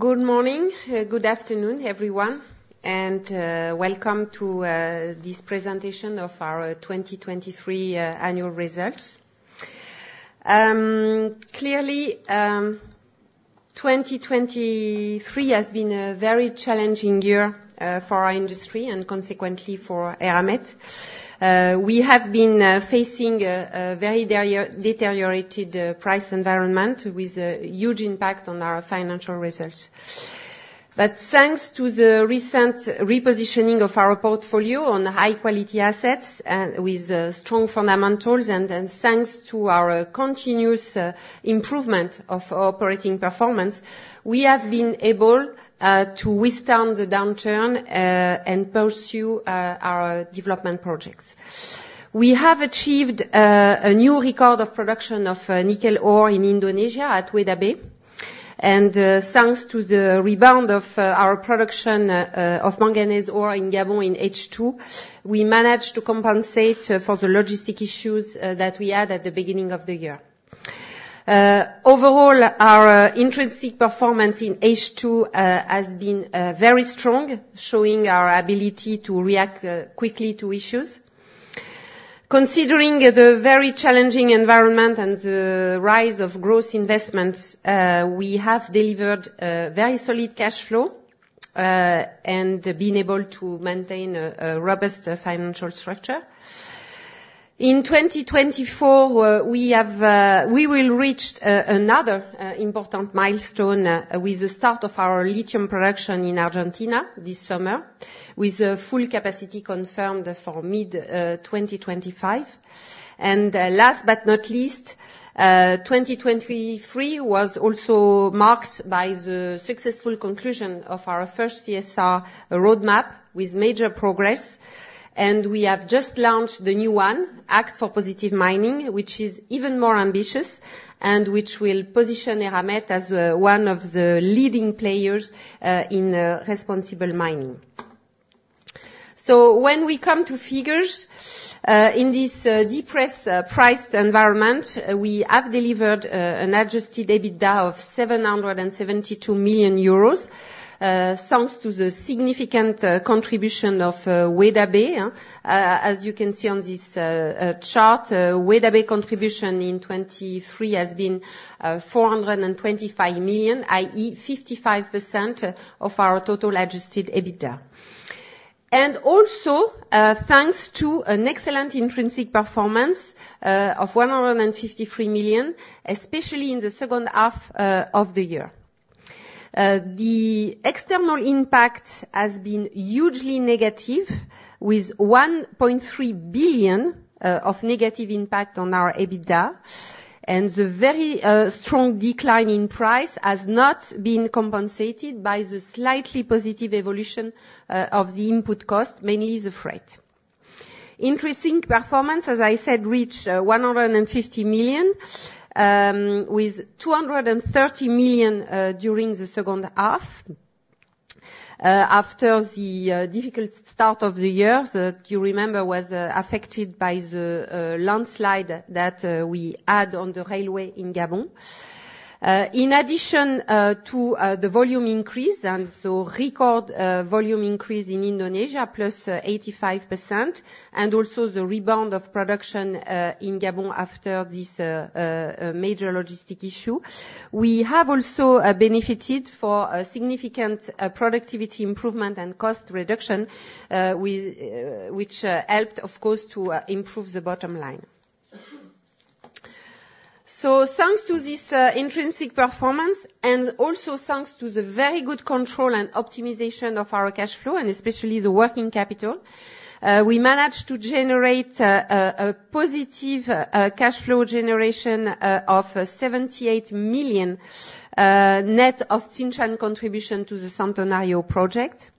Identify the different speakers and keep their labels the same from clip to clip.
Speaker 1: Good morning, good afternoon, everyone, and welcome to this presentation of our 2023 annual results. Clearly, 2023 has been a very challenging year for our industry and consequently for Eramet. We have been facing a very deteriorated price environment with a huge impact on our financial results. But thanks to the recent repositioning of our portfolio on high-quality assets and with strong fundamentals, and then thanks to our continuous improvement of operating performance, we have been able to withstand the downturn and pursue our development projects. We have achieved a new record of production of nickel ore in Indonesia at Weda Bay. Thanks to the rebound of our production of manganese ore in Gabon in H2, we managed to compensate for the logistic issues that we had at the beginning of the year. Overall, our intrinsic performance in H2 has been very strong, showing our ability to react quickly to issues. Considering the very challenging environment and the rise of growth investments, we have delivered a very solid cash flow and been able to maintain a robust financial structure. In 2024, we will reach another important milestone with the start of our lithium production in Argentina this summer, with full capacity confirmed for mid-2025. Last but not least, 2023 was also marked by the successful conclusion of our first CSR roadmap, with major progress, and we have just launched the new one, Act for Positive Mining, which is even more ambitious and which will position Eramet as one of the leading players in responsible mining. So when we come to figures, in this depressed price environment, we have delivered an Adjusted EBITDA of 772 million euros, thanks to the significant contribution of Weda Bay, as you can see on this chart. Weda Bay contribution in 2023 has been 425 million, i.e., 55% of our total Adjusted EBITDA. Also, thanks to an excellent intrinsic performance of 153 million, especially in the second half of the year. The external impact has been hugely negative, with 1.3 billion of negative impact on our EBITDA, and the very strong decline in price has not been compensated by the slightly positive evolution of the input cost, mainly the freight. Interesting performance, as I said, reached 150 million, with 230 million during the second half, after the difficult start of the year, that you remember was affected by the landslide that we had on the railway in Gabon. In addition to the volume increase and the record volume increase in Indonesia, plus 85%, and also the rebound of production in Gabon after this major logistic issue, we have also benefited for a significant productivity improvement and cost reduction, which helped, of course, to improve the bottom line. So thanks to this intrinsic performance, and also thanks to the very good control and optimization of our cash flow, and especially the working capital, we managed to generate a positive cash flow generation of 78 million, net of Tsingshan contribution to the Centenario project.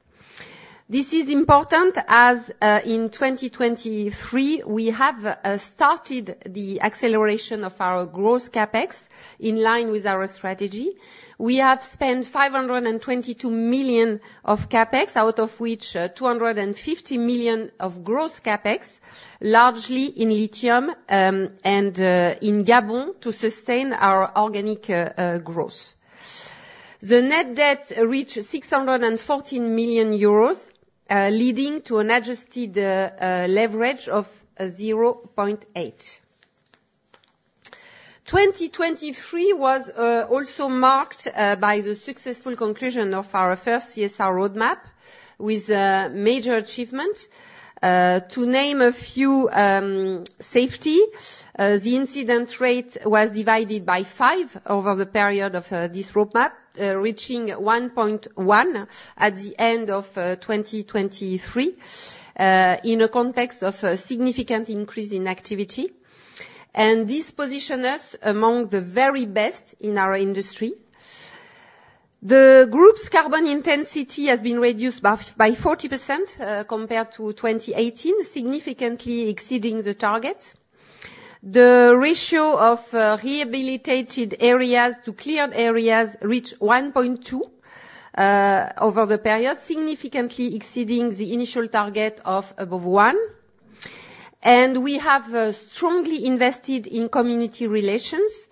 Speaker 1: This is important as in 2023, we have started the acceleration of our growth CapEx, in line with our strategy. We have spent 522 million of CapEx, out of which, 250 million of gross CapEx, largely in lithium, and in Gabon to sustain our organic growth. The net debt reached 614 million euros, leading to an adjusted leverage of 0.8. 2023 was also marked by the successful conclusion of our first CSR roadmap, with major achievement. To name a few, safety, the incident rate was divided by five over the period of this roadmap, reaching 1.1 at the end of 2023, in a context of a significant increase in activity. And this position us among the very best in our industry. The group's carbon intensity has been reduced by 40%, compared to 2018, significantly exceeding the target. The ratio of rehabilitated areas to cleared areas reached 1.2 over the period, significantly exceeding the initial target of above one. And we have strongly invested in community relations.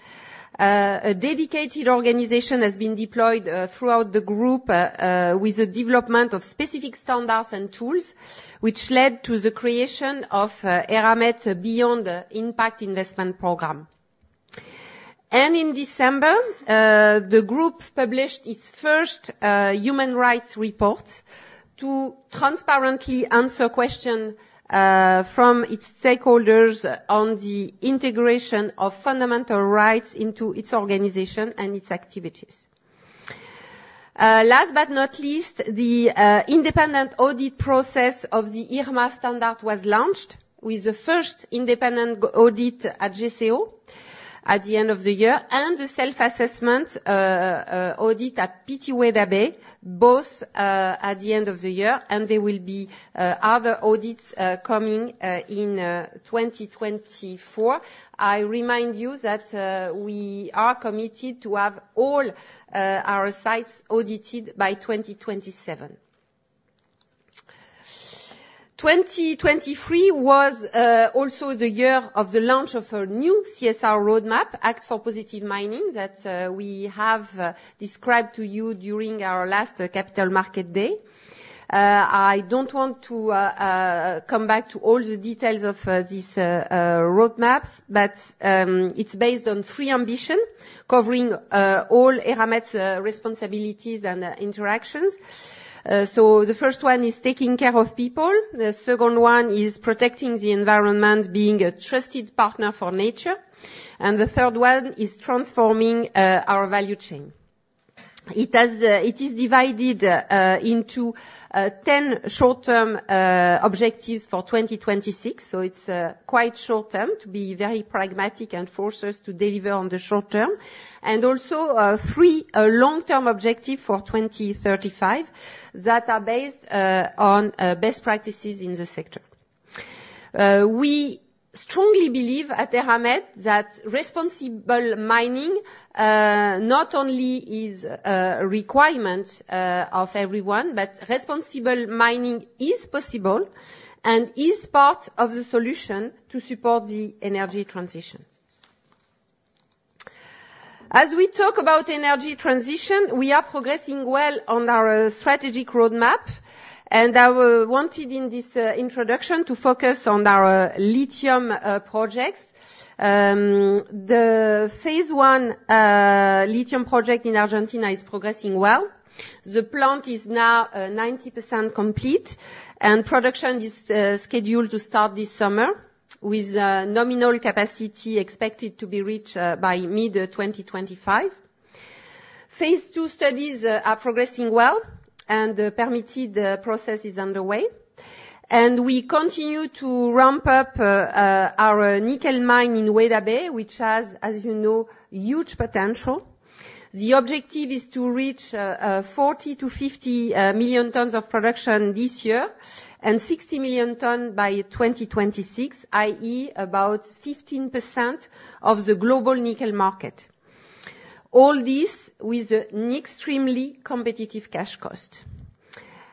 Speaker 1: A dedicated organization has been deployed throughout the group with the development of specific standards and tools, which led to the creation of Eramet's Beyond Impact investment program. And in December, the group published its first human rights report to transparently answer questions from its stakeholders on the integration of fundamental rights into its organization and its activities. Last but not least, the independent audit process of the IRMA standard was launched, with the first independent audit at GCO at the end of the year, and the self-assessment audit at PT Weda Bay, both at the end of the year. And there will be other audits coming in 2024. I remind you that we are committed to have all our sites audited by 2027. 2023 was also the year of the launch of a new CSR roadmap, Act for Positive Mining, that we have described to you during our last Capital Markets Day. I don't want to come back to all the details of this roadmaps, but it's based on three ambition, covering all Eramet's responsibilities and interactions. So the first one is taking care of people, the second one is protecting the environment, being a trusted partner for nature, and the third one is transforming our value chain. It is divided into 10 short-term objectives for 2026, so it's quite short-term, to be very pragmatic and force us to deliver on the short term. And also, three long-term objective for 2035 that are based on best practices in the sector. We strongly believe at Eramet that responsible mining not only is a requirement of everyone, but responsible mining is possible and is part of the solution to support the energy transition. As we talk about energy transition, we are progressing well on our strategic roadmap, and I wanted, in this, introduction, to focus on our lithium, projects. The phase one, lithium project in Argentina is progressing well. The plant is now, ninety percent complete, and production is, scheduled to start this summer, with, nominal capacity expected to be reached, by mid 2025. Phase two studies are progressing well, and the permitted process is underway. We continue to ramp up, our nickel mine in Weda Bay, which has, as you know, huge potential. The objective is to reach, 40 million-50 million tons of production this year, and 60 million tons by 2026, i.e., about 15% of the global nickel market. All this with an extremely competitive cash cost.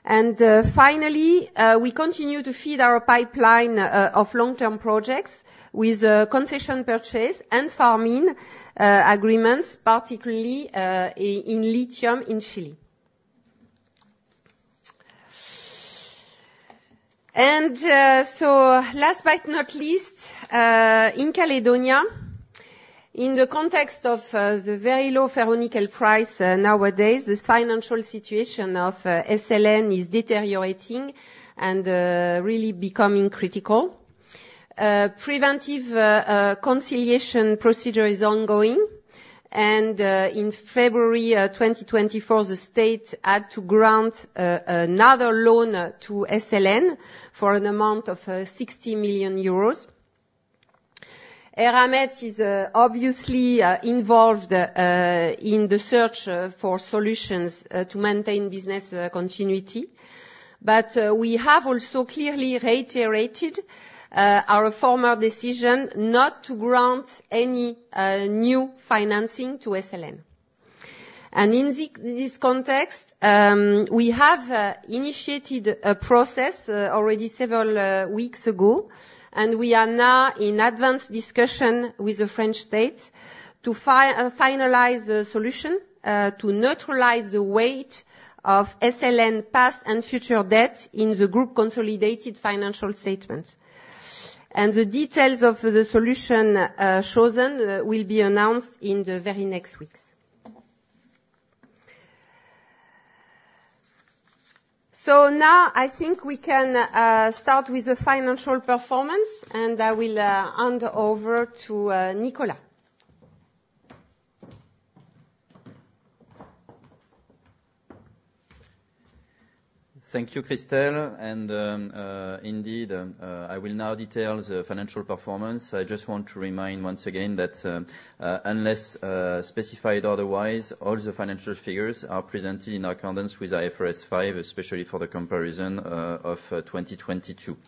Speaker 1: Finally, we continue to feed our pipeline of long-term projects with a concession purchase and farm-in agreements, particularly in lithium in Chile. So last but not least, in New Caledonia, in the context of the very low ferronickel price nowadays, the financial situation of SLN is deteriorating and really becoming critical. Preventive conciliation procedure is ongoing, and in February 2024, the state had to grant another loan to SLN for an amount of 60 million euros. Eramet is obviously involved in the search for solutions to maintain business continuity, but we have also clearly reiterated our former decision not to grant any new financing to SLN. And in this context, we have initiated a process already several weeks ago, and we are now in advanced discussion with the French state to finalize a solution to neutralize the weight of SLN past and future debts in the group consolidated financial statements. And the details of the solution chosen will be announced in the very next weeks. So now I think we can start with the financial performance, and I will hand over to Nicolas.
Speaker 2: Thank you, Christel. Indeed, I will now detail the financial performance. I just want to remind once again that, unless specified otherwise, all the financial figures are presented in accordance with IFRS 5, especially for the comparison of 2022.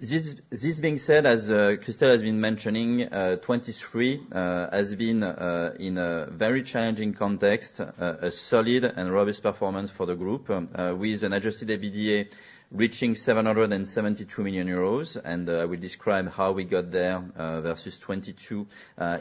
Speaker 2: This being said, as Christel has been mentioning, 2023 has been in a very challenging context, a solid and robust performance for the group, with an adjusted EBITDA reaching 772 million euros. We describe how we got there, versus 2022,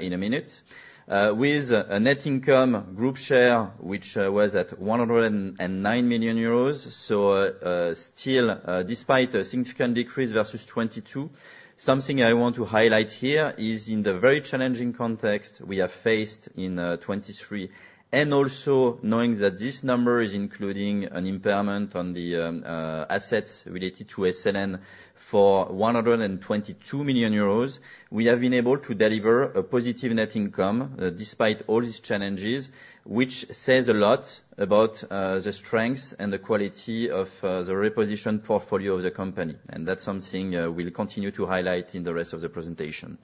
Speaker 2: in a minute. With a net income group share, which was at 109 million euros. So, still, despite a significant decrease versus 2022, something I want to highlight here is in the very challenging context we have faced in 2023, and also knowing that this number is including an impairment on the assets related to SLN for 122 million euros. We have been able to deliver a positive net income, despite all these challenges, which says a lot about the strength and the quality of the repositioned portfolio of the company. And that's something we'll continue to highlight in the rest of the presentation.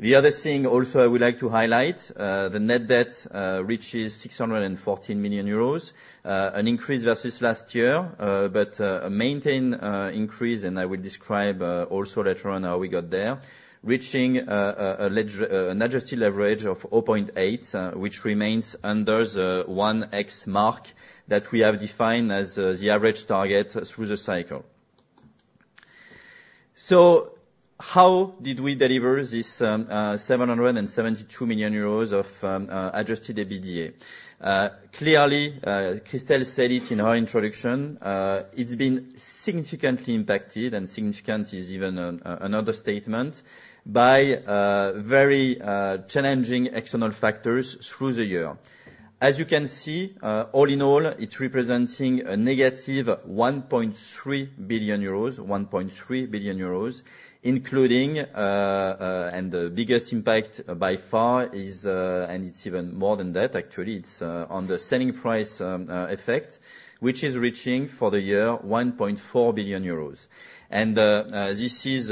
Speaker 2: The other thing also I would like to highlight, the net debt reaches 614 million euros, an increase versus last year, but a maintain increase, and I will describe also later on how we got there. Reaching an adjusted leverage of 0.8, which remains under the 1x mark, that we have defined as the average target through the cycle. So how did we deliver this 772 million euros of adjusted EBITDA? Clearly, Christel said it in her introduction, it's been significantly impacted, and significant is even another statement, by very challenging external factors through the year. As you can see, all in all, it's representing a negative 1.3 billion euros, 1.3 billion euros, including, and the biggest impact by far is, and it's even more than that, actually, it's on the selling price effect, which is reaching for the year 1.4 billion euros. This is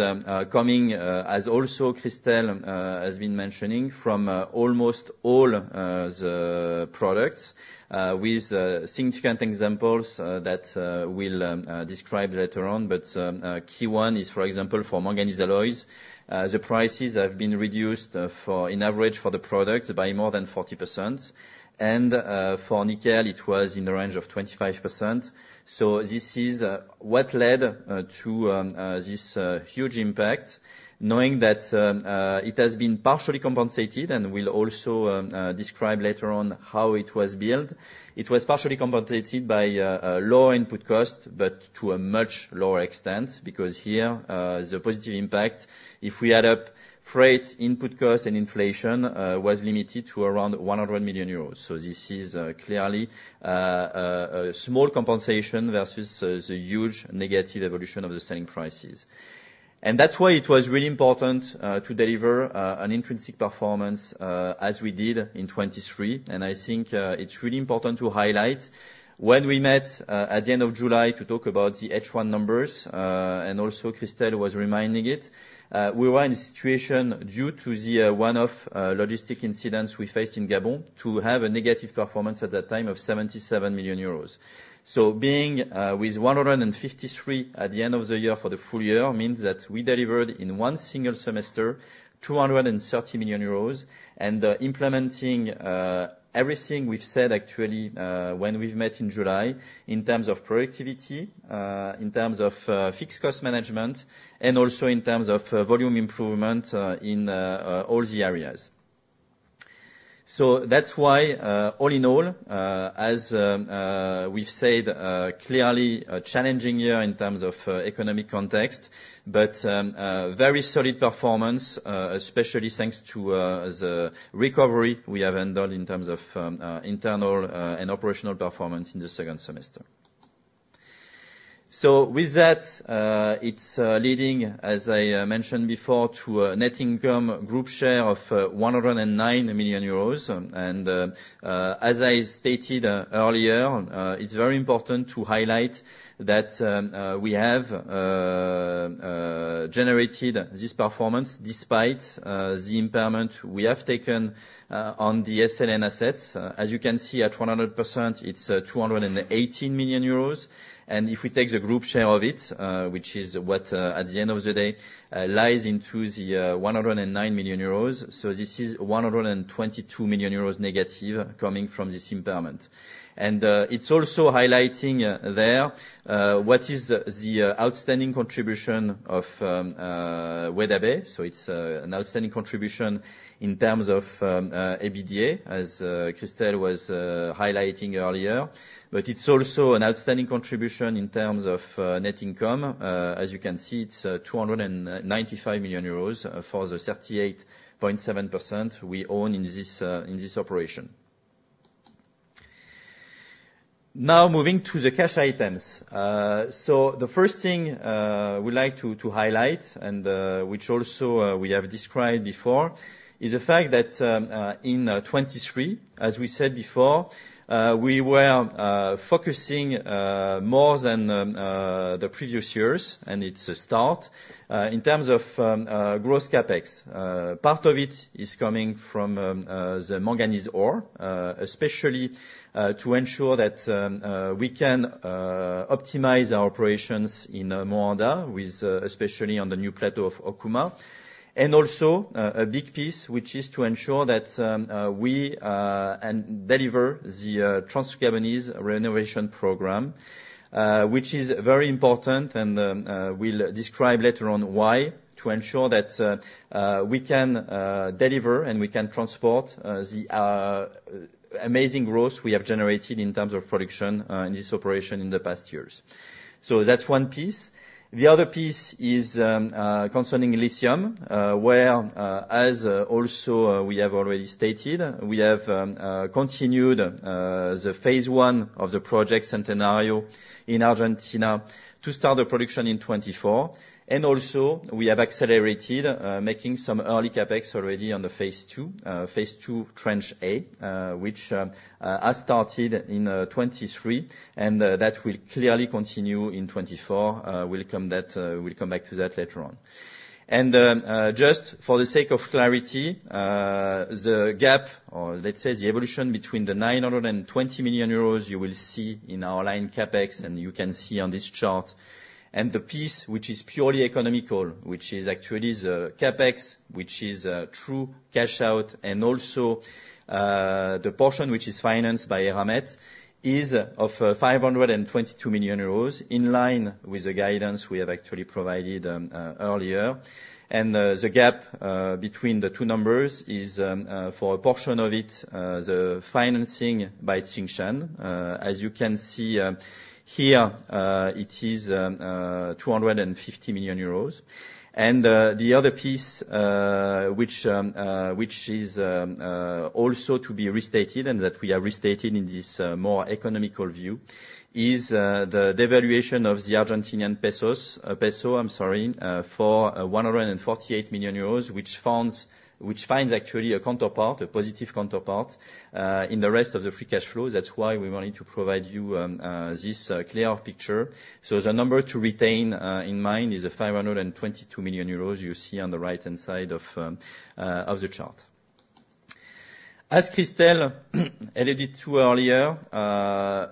Speaker 2: coming as also Christel has been mentioning from almost all the products with significant examples that we'll describe later on. But a key one is, for example, for manganese alloys. The prices have been reduced on average for the product by more than 40%. And for nickel, it was in the range of 25%. So this is what led to this huge impact, knowing that it has been partially compensated, and we'll also describe later on how it was built. It was partially compensated by a lower input cost, but to a much lower extent, because here the positive impact, if we add up freight, input cost, and inflation, was limited to around 100 million euros. So this is clearly a small compensation versus the huge negative evolution of the selling prices. And that's why it was really important to deliver an intrinsic performance as we did in 2023. And I think it's really important to highlight when we met at the end of July to talk about the H1 numbers, and also, Christel was reminding it, we were in a situation due to the one-off logistic incidents we faced in Gabon, to have a negative performance at that time of 77 million euros. So being with 153 at the end of the year for the full year means that we delivered in one single semester 230 million euros. And implementing everything we've said actually when we've met in July, in terms of productivity, in terms of fixed cost management, and also in terms of volume improvement in all the areas. So that's why all in all, as we've said, clearly a challenging year in terms of economic context, but a very solid performance, especially thanks to the recovery we have handled in terms of internal and operational performance in the second semester. So with that, it's leading, as I mentioned before, to a net income group share of 109 million euros. And as I stated earlier, it's very important to highlight that we have generated this performance despite the impairment we have taken on the SLN assets. As you can see, at 100%, it's 218 million euros. And if we take the group share of it, which is what at the end of the day lies into the 109 million euros, so this is 122 million euros negative coming from this impairment. And it's also highlighting there what is the outstanding contribution of Weda Bay. So it's an outstanding contribution in terms of EBITDA, as Christel was highlighting earlier. But it's also an outstanding contribution in terms of net income. As you can see, it's 295 million euros for the 38.7% we own in this operation. Now moving to the cash items. So the first thing we'd like to highlight, which also we have described before, is the fact that in 2023, as we said before, we were focusing more than the previous years, and it's a start. In terms of gross CapEx, part of it is coming from the manganese ore, especially to ensure that we can optimize our operations in Moanda with especially on the new plateau of Okouma. And also, a big piece, which is to ensure that we and deliver the trans-Gabonese renovation program, which is very important, and we'll describe later on why, to ensure that we can deliver and we can transport the amazing growth we have generated in terms of production in this operation in the past years. So that's one piece. The other piece is concerning lithium, where, as also, we have already stated, we have continued the phase one of the project Centenario in Argentina to start the production in 2024. And also, we have accelerated making some early CapEx already on the phase two, phase two, tranche A, which has started in 2023, and that will clearly continue in 2024. We'll come back to that later on. Just for the sake of clarity, the gap, or let's say, the evolution between the 920 million euros you will see in our line CapEx, and you can see on this chart, and the piece, which is purely economical, which is actually the CapEx, which is true cash out, and also the portion which is financed by Eramet, is of 522 million euros, in line with the guidance we have actually provided earlier. The gap between the two numbers is, for a portion of it, the financing by Tsingshan. As you can see here, it is 250 million euros. The other piece, which is also to be restated, and that we are restating in this more economical view, is the devaluation of the Argentine peso, I'm sorry, for 148 million euros, which finds actually a counterpart, a positive counterpart, in the rest of the free cash flow. That's why we wanted to provide you this clear picture. So the number to retain in mind is 522 million euros you see on the right-hand side of the chart. As Christel alluded to earlier,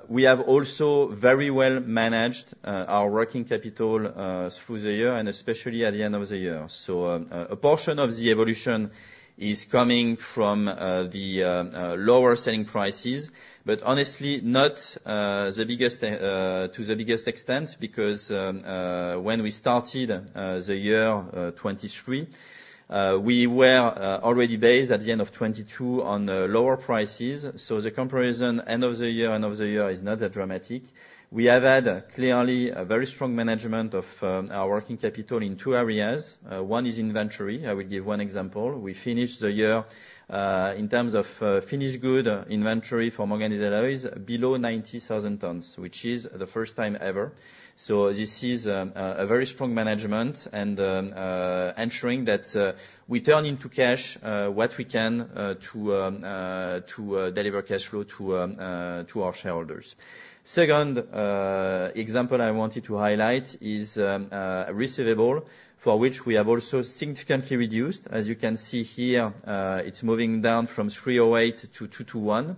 Speaker 2: we have also very well managed our working capital through the year and especially at the end of the year. So, a portion of the evolution is coming from the lower selling prices, but honestly, not the biggest to the biggest extent, because when we started the year 2023, we were already based at the end of 2022 on lower prices. So the comparison, end of the year, end of the year is not that dramatic. We have had, clearly, a very strong management of our working capital in two areas. One is inventory. I will give one example: we finished the year in terms of finished good inventory for manganese ore is below 90,000 tons, which is the first time ever. So this is a very strong management and ensuring that we turn into cash what we can to to deliver cash flow to to our shareholders. Second example I wanted to highlight is receivable for which we have also significantly reduced. As you can see here, it's moving down from 308 to 221.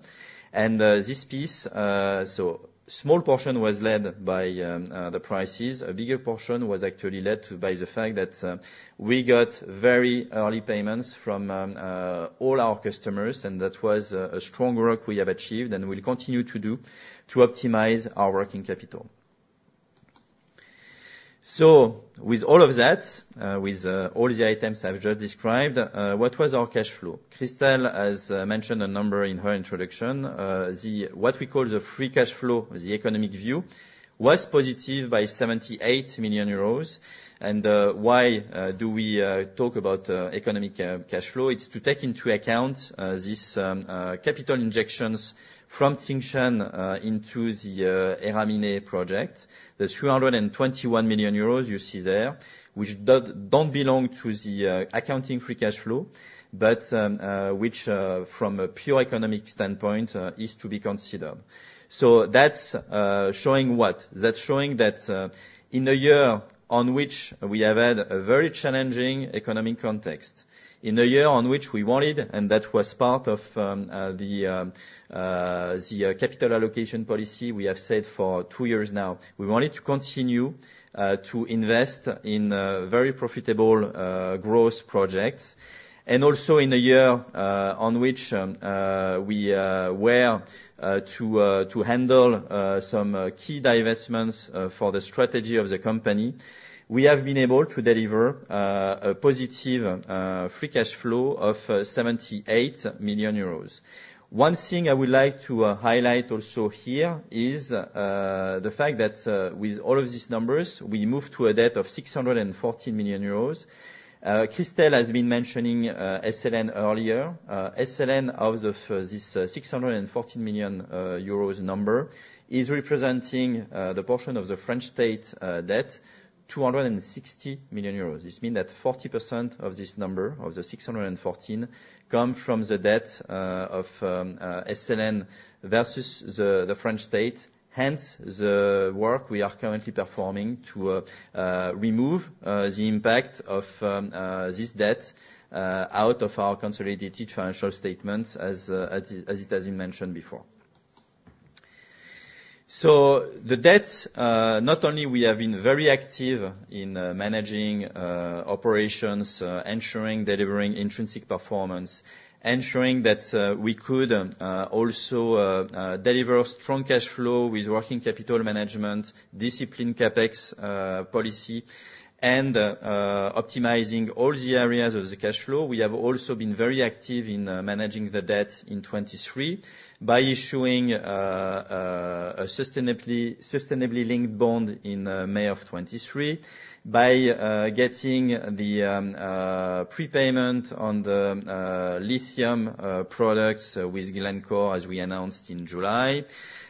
Speaker 2: And this piece so small portion was led by the prices. A bigger portion was actually led to by the fact that we got very early payments from all our customers, and that was a strong work we have achieved and will continue to do to optimize our working capital. So with all of that, with all the items I've just described, what was our cash flow? Christel has mentioned a number in her introduction. What we call the free cash flow, the economic view, was positive by 78 million euros. Why do we talk about economic cash flow? It's to take into account this capital injections from Tsingshan into the Eramet project. The 321 million euros you see there, which don't belong to the accounting free cash flow, but which from a pure economic standpoint is to be considered. So that's showing what? That's showing that, in a year on which we have had a very challenging economic context, in a year on which we wanted, and that was part of the capital allocation policy we have set for two years now, we wanted to continue to invest in very profitable growth projects, and also in a year on which we were to handle some key divestments for the strategy of the company. We have been able to deliver a positive free cash flow of 78 million euros. One thing I would like to highlight also here is the fact that, with all of these numbers, we moved to a debt of 614 million euros. Christel has been mentioning SLN earlier. SLN, out of this 614 million euros number, is representing the portion of the French state debt, 260 million euros. This mean that 40% of this number, of the 614, come from the debt of SLN versus the French state, hence the work we are currently performing to remove the impact of this debt out of our consolidated financial statement as it mentioned before. So the debt, not only we have been very active in managing operations, ensuring delivering intrinsic performance, ensuring that we could also deliver strong cash flow with working capital management, discipline CapEx policy, and optimizing all the areas of the cash flow. We have also been very active in managing the debt in 2023 by issuing a Sustainability-linked bond in May of 2023, by getting the prepayment on the lithium products with Glencore, as we announced in July.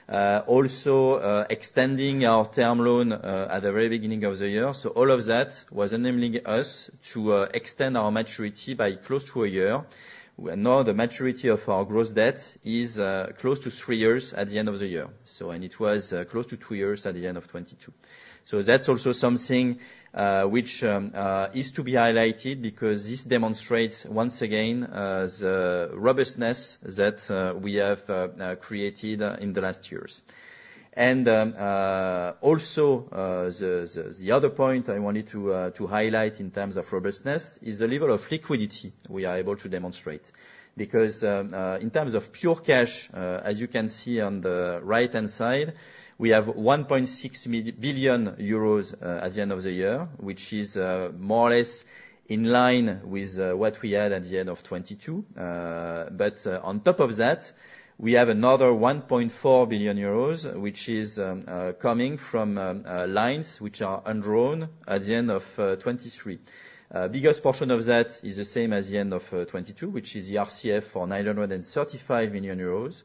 Speaker 2: Also, extending our term loan at the very beginning of the year. So all of that was enabling us to extend our maturity by close to a year. Now, the maturity of our gross debt is close to three years at the end of the year, so, and it was close to two years at the end of 2022. So that's also something which is to be highlighted, because this demonstrates, once again, the robustness that we have created in the last years. Also, the other point I wanted to highlight in terms of robustness is the level of liquidity we are able to demonstrate. Because, in terms of pure cash, as you can see on the right-hand side, we have 1.6 billion euros at the end of the year, which is more or less in line with what we had at the end of 2022. But, on top of that, we have another 1.4 billion euros, which is coming from lines which are undrawn at the end of 2023. Biggest portion of that is the same as the end of 2022, which is the RCF for 935 million euros.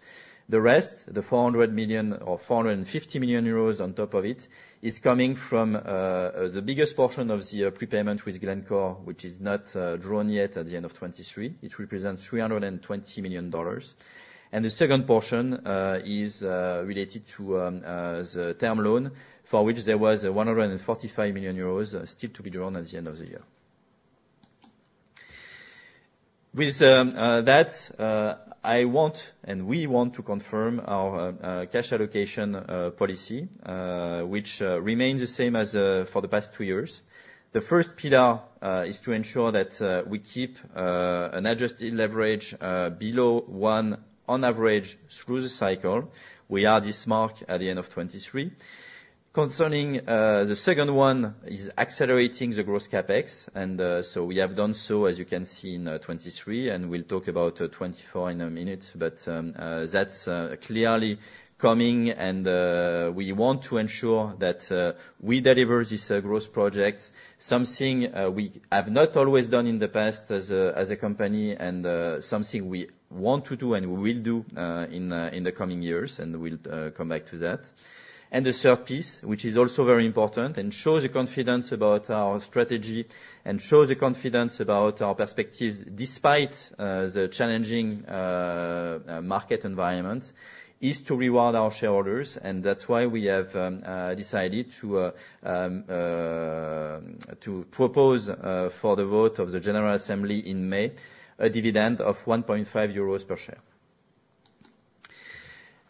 Speaker 2: The rest, the 400 million or 450 million euros on top of it, is coming from, the biggest portion of the, prepayment with Glencore, which is not, drawn yet at the end of 2023. It represents $320 million. And the second portion, is, related to, the term loan, for which there was 145 million euros still to be drawn at the end of the year. With, that, I want, and we want to confirm our, cash allocation, policy, which, remains the same as, for the past 2 years. The first pillar, is to ensure that, we keep, an adjusted leverage, below one on average through the cycle. We are this mark at the end of 2023. Concerning the second one, is accelerating the gross CapEx, and so we have done so, as you can see in 2023, and we'll talk about 2024 in a minute. But that's clearly coming, and we want to ensure that we deliver this growth project, something we have not always done in the past as a company, and something we want to do, and we will do in the coming years, and we'll come back to that. And the third piece, which is also very important and shows the confidence about our strategy and shows the confidence about our perspectives, despite the challenging market environment, is to reward our shareholders, and that's why we have decided to propose, for the vote of the General Assembly in May, a dividend of 1.5 euros per share.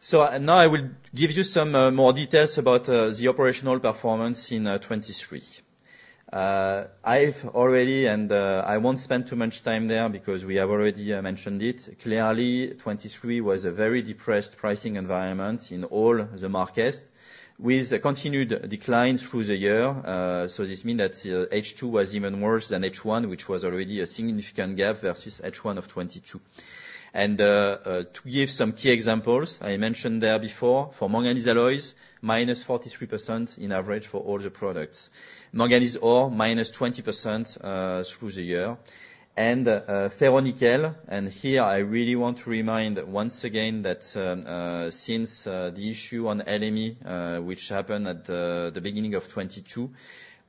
Speaker 2: So now I will give you some more details about the operational performance in 2023. I won't spend too much time there because we have already mentioned it. Clearly, 2023 was a very depressed pricing environment in all the markets, with a continued decline through the year. So this means that H2 was even worse than H1, which was already a significant gap versus H1 of 2022. To give some key examples, I mentioned there before, for manganese alloys, -43% in average for all the products. Manganese ore, -20%, through the year. Ferronickel, and here, I really want to remind once again that, since the issue on LME, which happened at the beginning of 2022,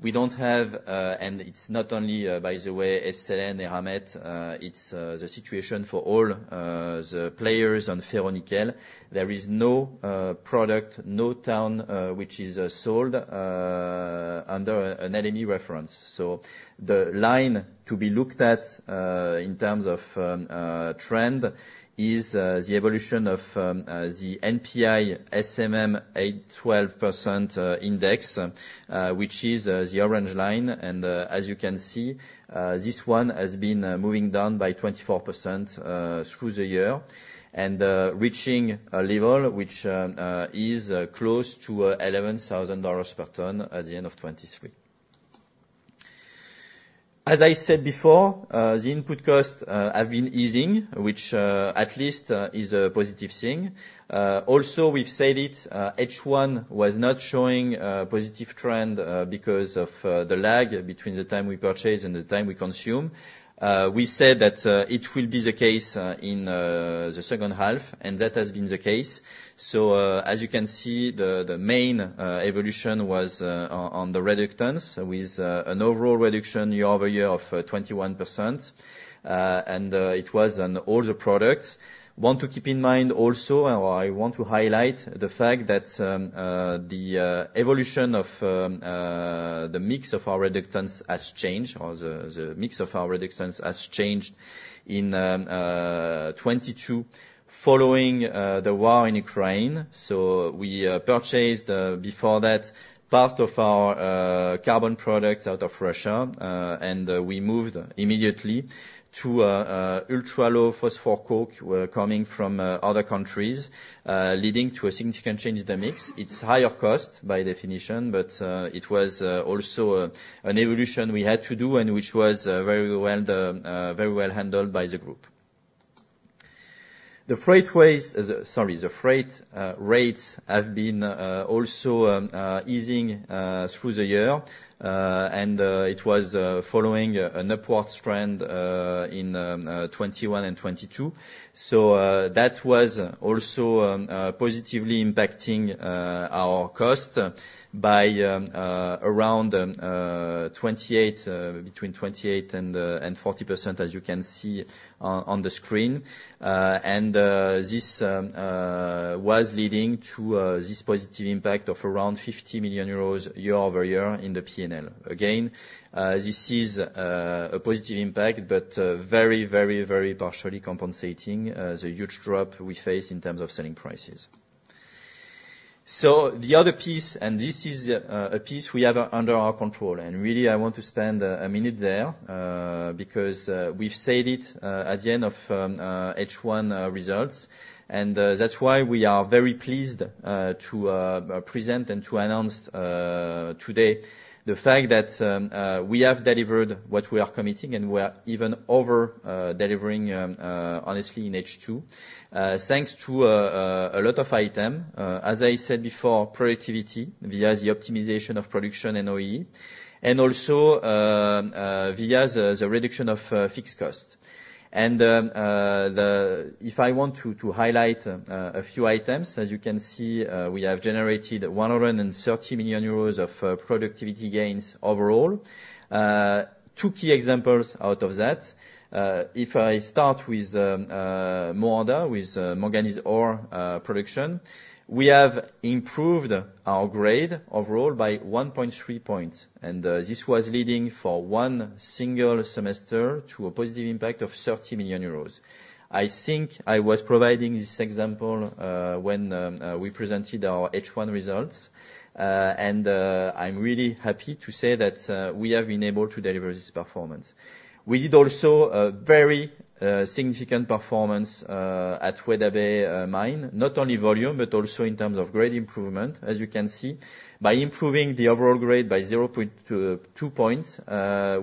Speaker 2: we don't have, and it's not only, by the way, SLN and Eramet, it's the situation for all the players on ferronickel. There is no product, no tonne, which is sold under an LME reference. So the line to be looked at, in terms of trend is the evolution of the NPI SMM 8-12% index, which is the orange line. As you can see, this one has been moving down by 24% through the year, and reaching a level which is close to $11,000 per ton at the end of 2023. As I said before, the input costs have been easing, which at least is a positive thing. Also, we've said it, H1 was not showing a positive trend because of the lag between the time we purchase and the time we consume. We said that it will be the case in the second half, and that has been the case. As you can see, the main evolution was on the reductants, with an overall reduction year-over-year of 21%. It was on all the products. I want to highlight the fact that the evolution of the mix of our reductants has changed in 2022, following the war in Ukraine. So we purchased, before that, part of our carbon products out of Russia, and we moved immediately to ultra-low phosphorus coke coming from other countries, leading to a significant change in the mix. It's higher cost by definition, but it was also an evolution we had to do, and which was very well done, very well handled by the group. Sorry, the freight rates have been also easing through the year. It was following an upward trend in 2021 and 2022. So that was also positively impacting our cost by around 28 between 28% and 40%, as you can see on the screen. And this was leading to this positive impact of around 50 million euros year-over-year in the P&L. Again, this is a positive impact, but very, very, very partially compensating the huge drop we face in terms of selling prices. So the other piece, and this is a piece we have under our control, and really I want to spend a minute there, because we've said it at the end of H1 results, and that's why we are very pleased to present and to announce today the fact that we have delivered what we are committing, and we are even over delivering, honestly, in H2. Thanks to a lot of item, as I said before, productivity via the optimization of production and OE, and also via the reduction of fixed cost. If I want to highlight a few items, as you can see, we have generated 130 million euros of productivity gains overall. Two key examples out of that. If I start with Moanda, with manganese ore production, we have improved our grade overall by 1.3 points, and this was leading for one single semester to a positive impact of 30 million euros. I think I was providing this example when we presented our H1 results, and I'm really happy to say that we have been able to deliver this performance. We did also a very significant performance at Weda Bay mine, not only volume, but also in terms of grade improvement, as you can see. By improving the overall grade by 0.2 points,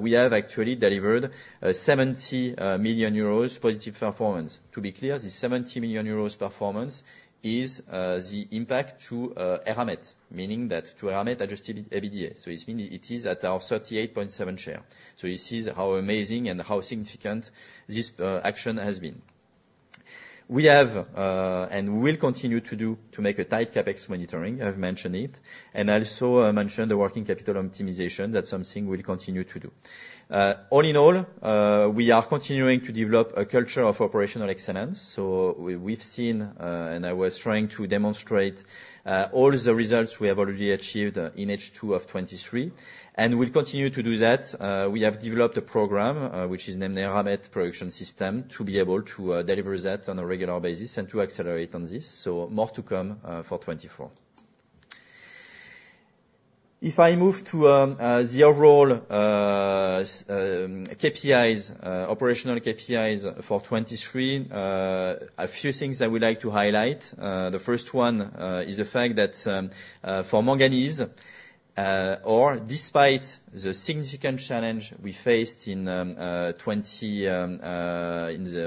Speaker 2: we have actually delivered a 70 million euros positive performance. To be clear, the 70 million euros performance is the impact to Eramet, meaning that to Eramet adjusted EBITDA. So it's mean it is at our 38.7 share. So this is how amazing and how significant this action has been. We have, and we'll continue to do, to make a tight CapEx monitoring. I've mentioned it, and also I mentioned the working capital optimization. That's something we'll continue to do. All in all, we are continuing to develop a culture of operational excellence. So we've seen, and I was trying to demonstrate, all the results we have already achieved in H2 of 2023, and we'll continue to do that. We have developed a program, which is named Eramet Production System, to be able to deliver that on a regular basis and to accelerate on this, so more to come for 2024. If I move to the overall KPIs, operational KPIs for 2023, a few things I would like to highlight. The first one is the fact that for manganese ore despite the significant challenge we faced in the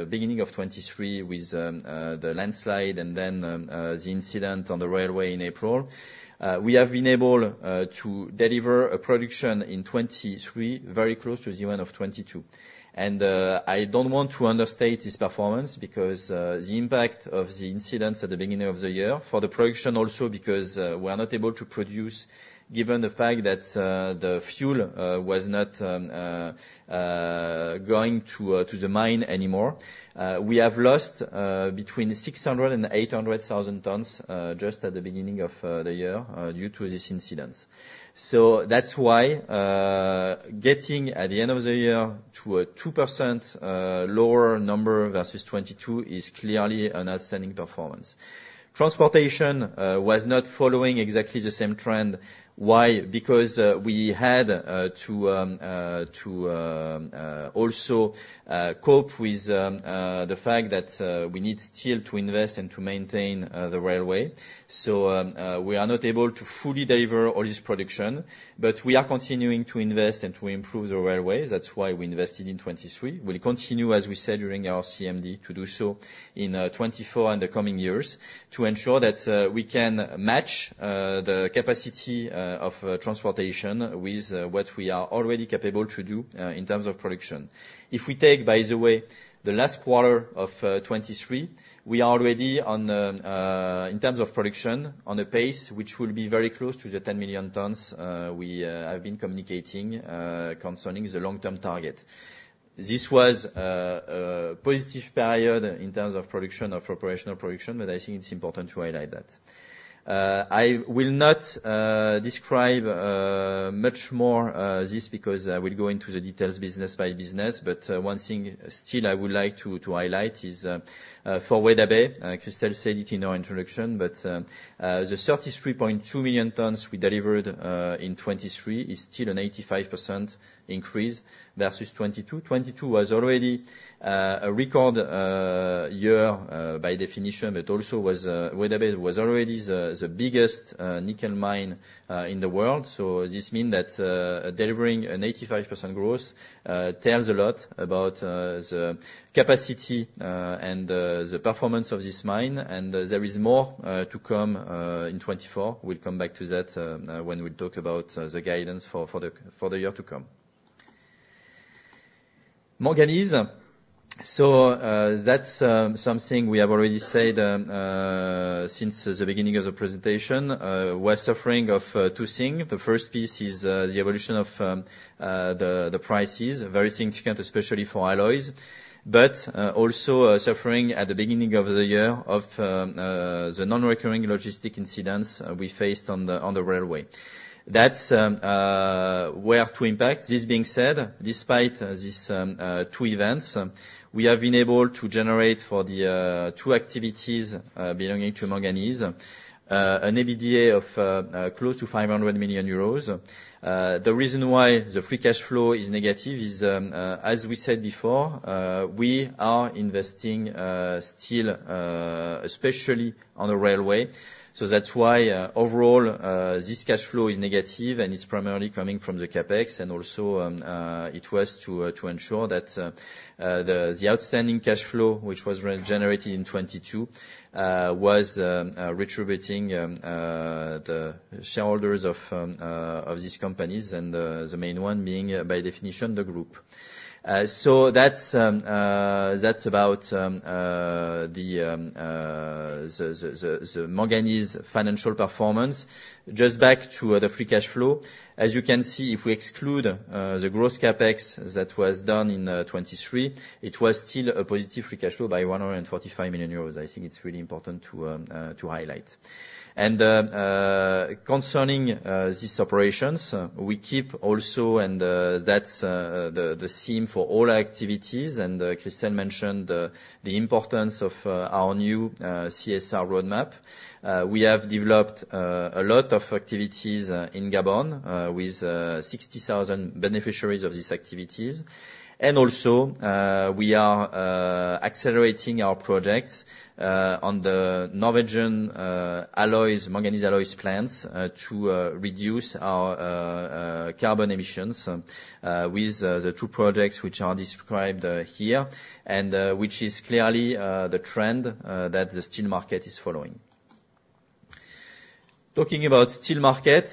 Speaker 2: beginning of 2023 with the landslide and then the incident on the railway in April, we have been able to deliver a production in 2023, very close to the one of 2022. I don't want to understate this performance because the impact of the incidents at the beginning of the year for the production, also because we are not able to produce, given the fact that the fuel was not going to the mine anymore. We have lost between 600,000 and 800,000 tons just at the beginning of the year due to these incidents. So that's why getting at the end of the year to a 2% lower number versus 2022 is clearly an outstanding performance. Transportation was not following exactly the same trend. Why? Because we had to also cope with the fact that we need still to invest and to maintain the railway. So, we are not able to fully deliver all this production, but we are continuing to invest and to improve the railway. That's why we invested in 2023. We'll continue, as we said, during our CMD, to do so in 2024 and the coming years, to ensure that we can match the capacity of transportation with what we are already capable to do in terms of production. If we take, by the way, the last quarter of 2023, we are already, in terms of production, on a pace which will be very close to the 10 million tons we have been communicating concerning the long-term target. This was a positive period in terms of production, of operational production, but I think it's important to highlight that. I will not describe much more this because I will go into the details business by business, but one thing still I would like to highlight is for Weda Bay. Christel said it in our introduction, but the 33.2 million tons we delivered in 2023 is still an 85% increase versus 2022. 2022 was already a record year by definition, but also Weda Bay was already the biggest nickel mine in the world. So this means that delivering an 85% growth tells a lot about the capacity and the performance of this mine, and there is more to come in 2024. We'll come back to that, when we talk about the guidance for the year to come. Manganese. So, that's something we have already said since the beginning of the presentation. We're suffering of two things. The first piece is the evolution of the prices, very significant, especially for alloys. But also suffering at the beginning of the year of the non-recurring logistic incidents we faced on the railway. That's the impact. This being said, despite these two events, we have been able to generate for the two activities belonging to Manganese an EBITDA of close to 500 million euros. The reason why the free cash flow is negative is, as we said before, we are investing still, especially on the railway. So that's why, overall, this cash flow is negative, and it's primarily coming from the CapEx. And also, it was to ensure that the outstanding cash flow, which was regenerated in 2022, was redistributing the shareholders of these companies, and the main one being, by definition, the group. So that's about the Manganese financial performance. Just back to the free cash flow. As you can see, if we exclude the gross CapEx that was done in 2023, it was still a positive free cash flow by 145 million euros. I think it's really important to highlight. Concerning these operations, we keep also, and that's the same for all activities, and Christel mentioned the importance of our new CSR roadmap. We have developed a lot of activities in Gabon with 60,000 beneficiaries of these activities. We are also accelerating our projects on the Norwegian manganese alloys plants to reduce our carbon emissions with the two projects which are described here, and which is clearly the trend that the steel market is following. Talking about steel market,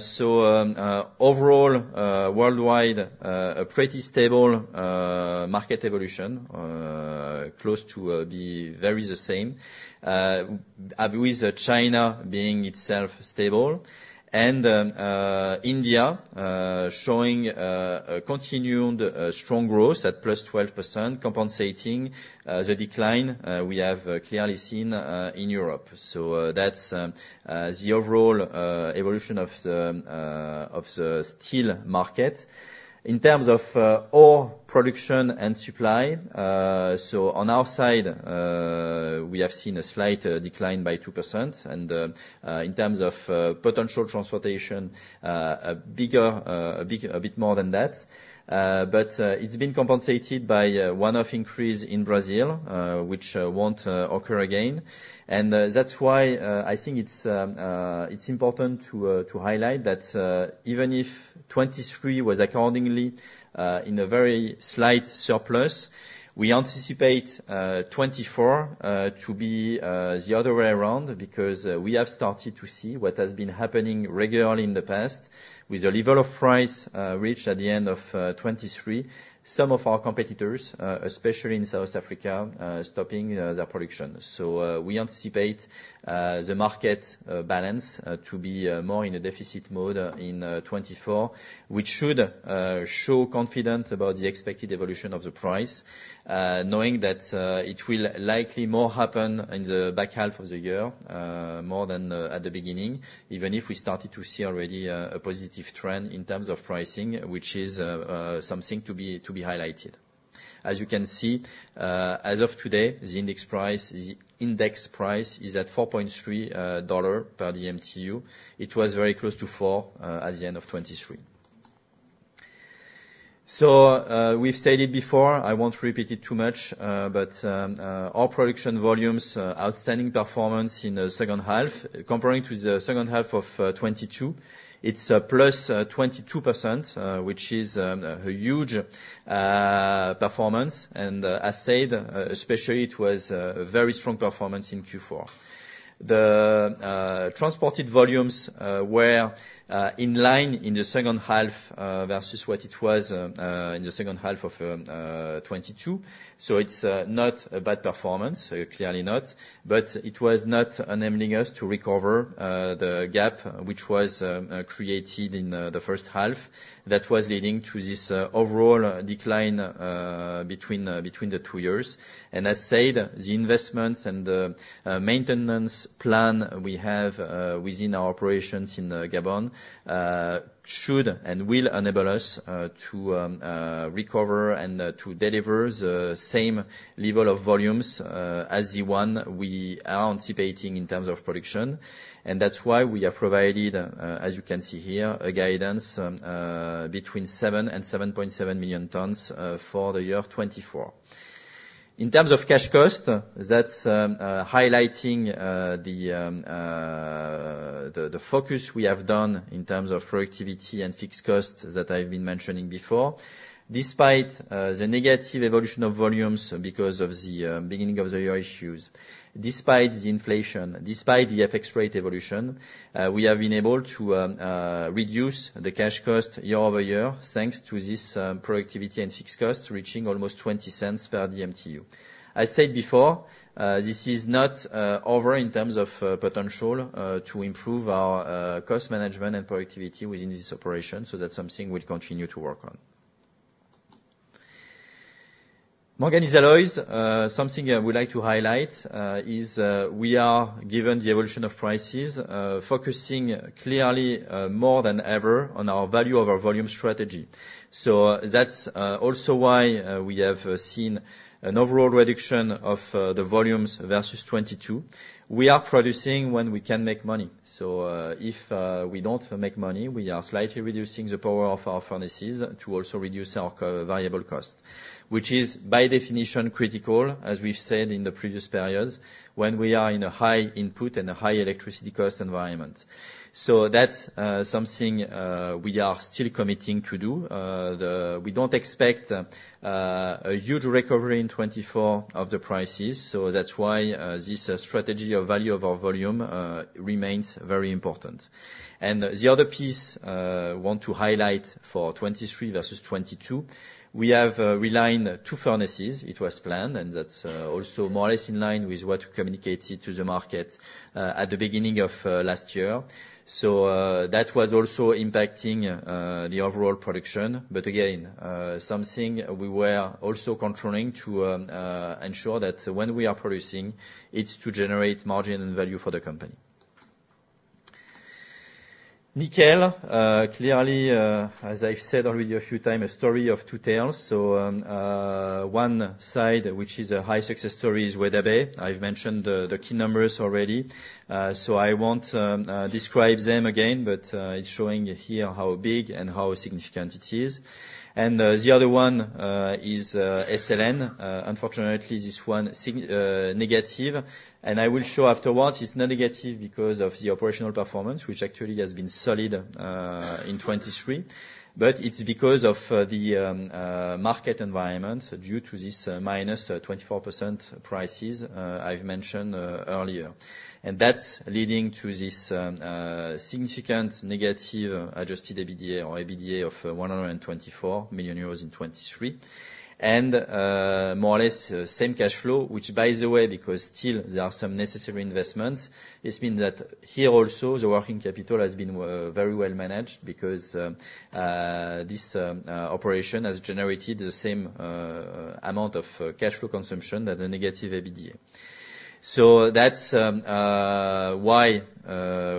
Speaker 2: so overall worldwide a pretty stable market evolution close to the very same. As with China being itself stable, and India showing a continued strong growth at +12%, compensating the decline we have clearly seen in Europe. So that's the overall evolution of the steel market. In terms of ore production and supply, so on our side, we have seen a slight decline by 2%. In terms of potential transportation, a bit more than that, but it's been compensated by one-off increase in Brazil, which won't occur again. That's why I think it's important to highlight that, even if 2023 was accordingly in a very slight surplus, we anticipate 2024 to be the other way around, because we have started to see what has been happening regularly in the past. With the level of price reached at the end of 2023, some of our competitors, especially in South Africa, stopping their production. So, we anticipate the market balance to be more in a deficit mode in 2024, which should show confident about the expected evolution of the price, knowing that it will likely more happen in the back half of the year more than at the beginning, even if we started to see already a positive trend in terms of pricing, which is something to be highlighted. As you can see, as of today, the index price is at $4.3 per DMTU. It was very close to 4 at the end of 2023. So, we've said it before, I won't repeat it too much, but our production volumes, outstanding performance in the second half. Comparing to the second half of 2022, it's plus 22%, which is a huge performance. As said, especially it was a very strong performance in Q4. The transported volumes were in line in the second half versus what it was in the second half of 2022. So it's not a bad performance, clearly not, but it was not enabling us to recover the gap which was created in the first half. That was leading to this overall decline between the two years. As said, the investments and the maintenance plan we have within our operations in Gabon should and will enable us to recover and to deliver the same level of volumes as the one we are anticipating in terms of production. And that's why we have provided, as you can see here, a guidance between 7 and 7.7 million tons for the year 2024. In terms of cash cost, that's highlighting the focus we have done in terms of productivity and fixed costs that I've been mentioning before. Despite the negative evolution of volumes because of the beginning of the year issues, despite the inflation, despite the FX rate evolution, we have been able to reduce the cash cost year-over-year, thanks to this productivity and fixed costs, reaching almost $0.20 per the MTU. I said before, this is not over in terms of potential to improve our cost management and productivity within this operation, so that's something we'll continue to work on. Manganese alloys, something I would like to highlight is we are, given the evolution of prices, focusing clearly more than ever on our value over volume strategy. So that's also why we have seen an overall reduction of the volumes versus 2022. We are producing when we can make money, so if we don't make money, we are slightly reducing the power of our furnaces to also reduce our co-variable cost. Which is, by definition, critical, as we've said in the previous periods, when we are in a high input and a high electricity cost environment. So that's something we are still committing to do. We don't expect a huge recovery in 2024 of the prices, so that's why this strategy of value over volume remains very important. And the other piece want to highlight for 2023 versus 2022, we have realigned two furnaces. It was planned, and that's also more or less in line with what we communicated to the market at the beginning of last year. So, that was also impacting the overall production. But again, something we were also controlling to ensure that when we are producing, it's to generate margin and value for the company. Nickel clearly, as I've said already a few times, a story of two tales. So, one side, which is a high success story, is Weda Bay. I've mentioned the key numbers already, so I won't describe them again, but it's showing here how big and how significant it is. The other one is SLN. Unfortunately, this one is significantly negative, and I will show afterwards, it's not negative because of the operational performance, which actually has been solid in 2023. But it's because of the market environment, due to this -24% prices I've mentioned earlier. And that's leading to this significant negative adjusted EBITDA or EBITDA of 124 million euros in 2023. And more or less same cash flow, which, by the way, because still there are some necessary investments, this mean that here also, the working capital has been very well managed because this operation has generated the same amount of cash flow consumption as a negative EBITDA. So that's why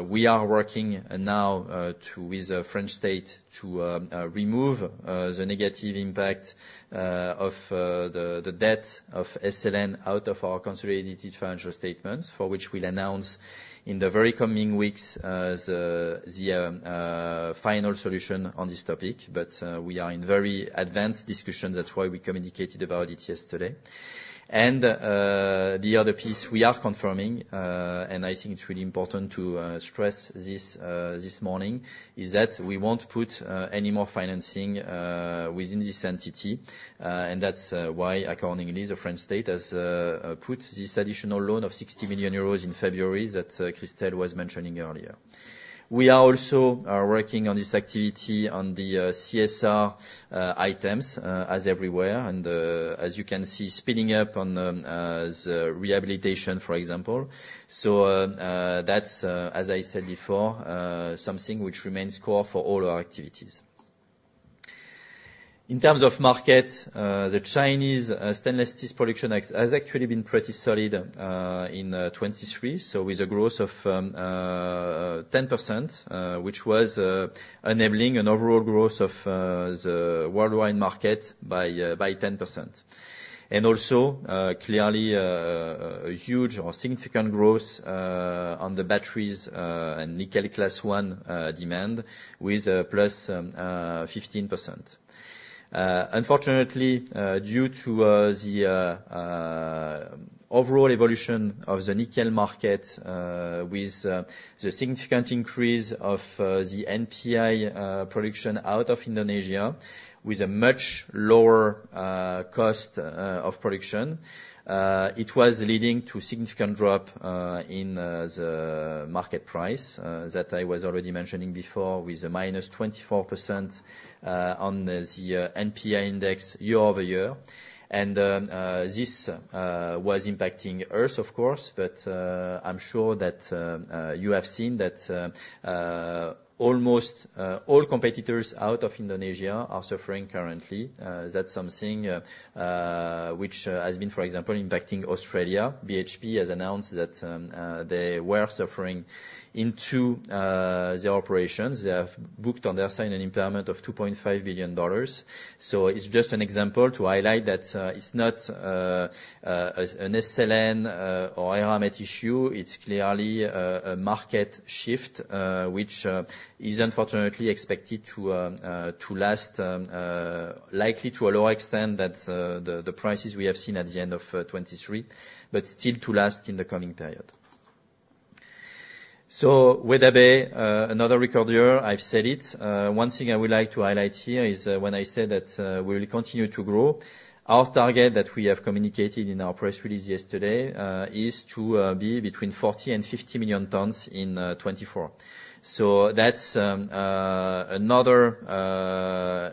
Speaker 2: we are working now to... with the French state to remove the negative impact of the debt of SLN out of our consolidated financial statements, for which we'll announce in the very coming weeks the final solution on this topic. But we are in very advanced discussions. That's why we communicated about it yesterday. And the other piece we are confirming and I think it's really important to stress this morning is that we won't put any more financing within this entity. And that's why, accordingly, the French state has put this additional loan of 60 million euros in February that Christel was mentioning earlier. We are also working on this activity on the CSR items as everywhere, and as you can see, speeding up on the rehabilitation, for example. So, that's as I said before, something which remains core for all our activities. In terms of market, the Chinese stainless steel production has actually been pretty solid in 2023, so with a growth of 10%, which was enabling an overall growth of the worldwide market by 10%. And also clearly a huge or significant growth on the batteries and nickel class one demand with +15%. Unfortunately, due to the overall evolution of the nickel market, with the significant increase of the NPI production out of Indonesia, with a much lower cost of production, it was leading to significant drop in the market price that I was already mentioning before, with a -24% on the NPI index year-over-year. And this was impacting us, of course, but I'm sure that you have seen that almost all competitors out of Indonesia are suffering currently. That's something which has been, for example, impacting Australia. BHP has announced that they were suffering into their operations. They have booked on their side an impairment of $2.5 billion. So it's just an example to highlight that, it's not an SLN or Eramet issue. It's clearly a market shift, which is unfortunately expected to last, likely to a lower extent than the prices we have seen at the end of 2023, but still to last in the coming period. So with manganese, another record year, I've said it. One thing I would like to highlight here is, when I said that, we will continue to grow, our target that we have communicated in our press release yesterday, is to be between 40 and 50 million tons in 2024. So that's another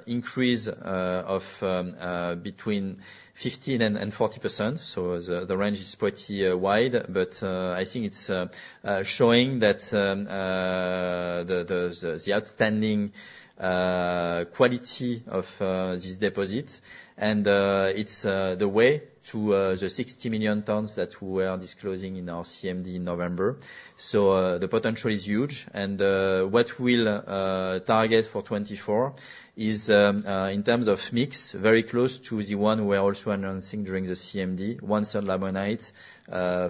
Speaker 2: increase of between 15% and 40%. So the range is pretty wide, but I think it's showing that the outstanding quality of this deposit. And it's the way to the 60 million tons that we are disclosing in our CMD in November. So the potential is huge, and what we'll target for 2024 is, in terms of mix, very close to the one we're also announcing during the CMD, one-third limonite